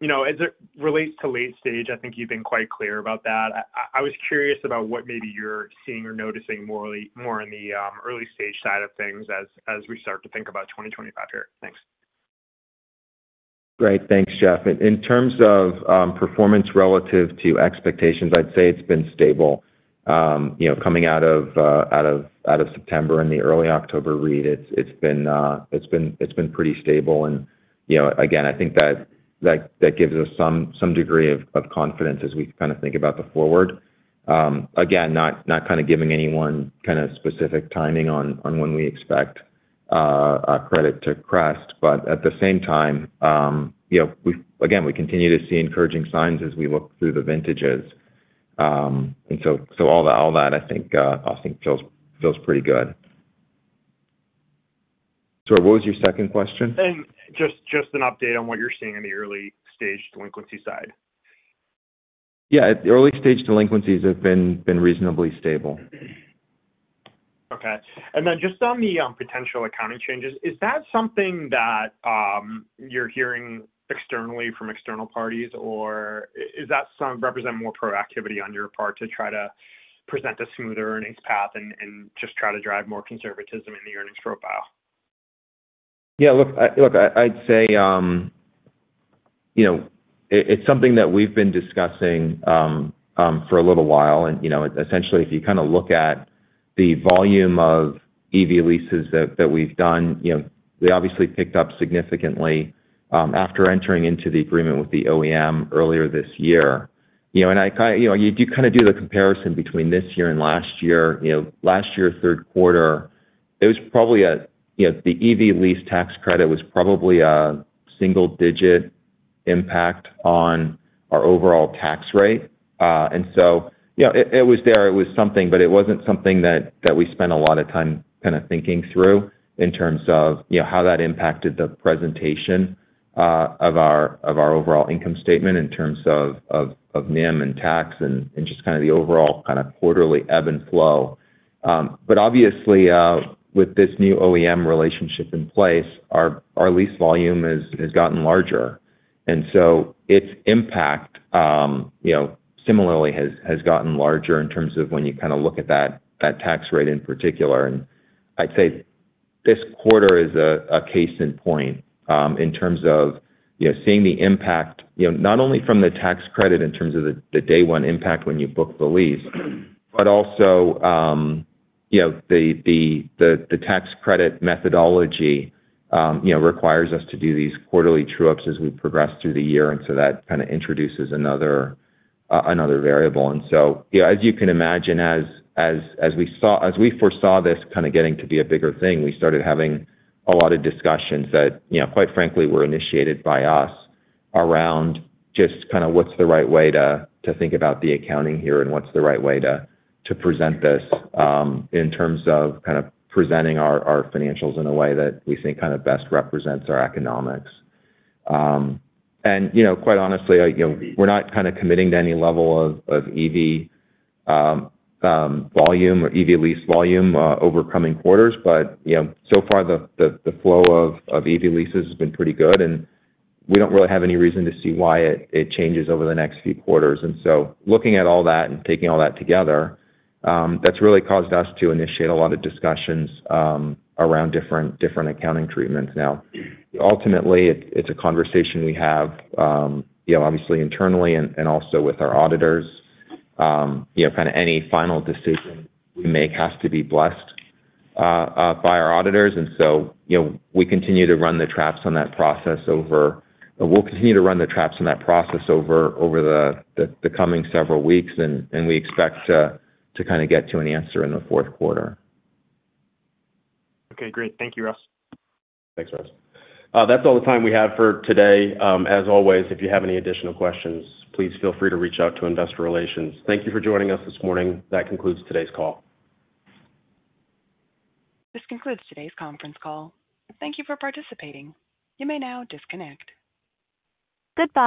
S10: you know, as it relates to late stage, I think you've been quite clear about that. I was curious about what maybe you're seeing or noticing more in the early stage side of things as we start to think about 2025 here. Thanks.
S4: Great. Thanks, Jeff. In terms of performance relative to expectations, I'd say it's been stable. You know, coming out of September and the early October read, it's been pretty stable, and, you know, again, I think that gives us some degree of confidence as we kind of think about the forward. Again, not kind of giving any one kind of specific timing on when we expect credit to crest, but at the same time, you know, we again we continue to see encouraging signs as we look through the vintages. And so all that I think feels pretty good. Sorry, what was your second question?
S10: And just an update on what you're seeing in the early-stage delinquency side.
S4: Yeah, the early-stage delinquencies have been reasonably stable.
S10: Okay. And then just on the potential accounting changes, is that something that you're hearing externally from external parties, or is that something that represents more proactivity on your part to try to present a smoother earnings path and just try to drive more conservatism in the earnings profile?
S4: Yeah, look, I'd say, you know, it's something that we've been discussing for a little while, and, you know, essentially, if you kind of look at the volume of EV leases that we've done, you know, we obviously picked up significantly after entering into the agreement with the OEM earlier this year. You know, you do kind of do the comparison between this year and last year. You know, last year, third quarter, it was probably a, you know, the EV lease tax credit was probably a single-digit impact on our overall tax rate. And so, you know, it was there. It was something, but it wasn't something that we spent a lot of time kind of thinking through in terms of, you know, how that impacted the presentation of our overall income statement in terms of NIM and tax and just kind of the overall kind of quarterly ebb and flow. But obviously, with this new OEM relationship in place, our lease volume has gotten larger, and so its impact, you know, similarly has gotten larger in terms of when you kind of look at that tax rate in particular. And I'd say this quarter is a case in point, in terms of, you know, seeing the impact, you know, not only from the tax credit in terms of the day one impact when you book the lease, but also, you know, the tax credit methodology, you know, requires us to do these quarterly true ups as we progress through the year, and so that kind of introduces another variable. And so, you know, as you can imagine, as we foresaw this kind of getting to be a bigger thing, we started having a lot of discussions that, you know, quite frankly, were initiated by us around just kind of what's the right way to think about the accounting here and what's the right way to present this in terms of kind of presenting our financials in a way that we think kind of best represents our economics. And you know, quite honestly, you know, we're not kind of committing to any level of EV volume or EV lease volume over coming quarters, but you know, so far, the flow of EV leases has been pretty good, and we don't really have any reason to see why it changes over the next few quarters. Looking at all that and taking all that together, that's really caused us to initiate a lot of discussions around different accounting treatments. Now, ultimately, it's a conversation we have, you know, obviously internally and also with our auditors. You know, kind of any final decision we make has to be blessed by our auditors, and so, you know, we continue to run the traps on that process over... We'll continue to run the traps on that process over the coming several weeks, and we expect to kind of get to an answer in the fourth quarter.
S10: Okay, great. Thank you, Russ.
S4: Thanks, Jeff.
S2: That's all the time we have for today. As always, if you have any additional questions, please feel free to reach out to Investor Relations. Thank you for joining us this morning. That concludes today's call.
S1: This concludes today's conference call. Thank you for participating. You may now disconnect. Goodbye.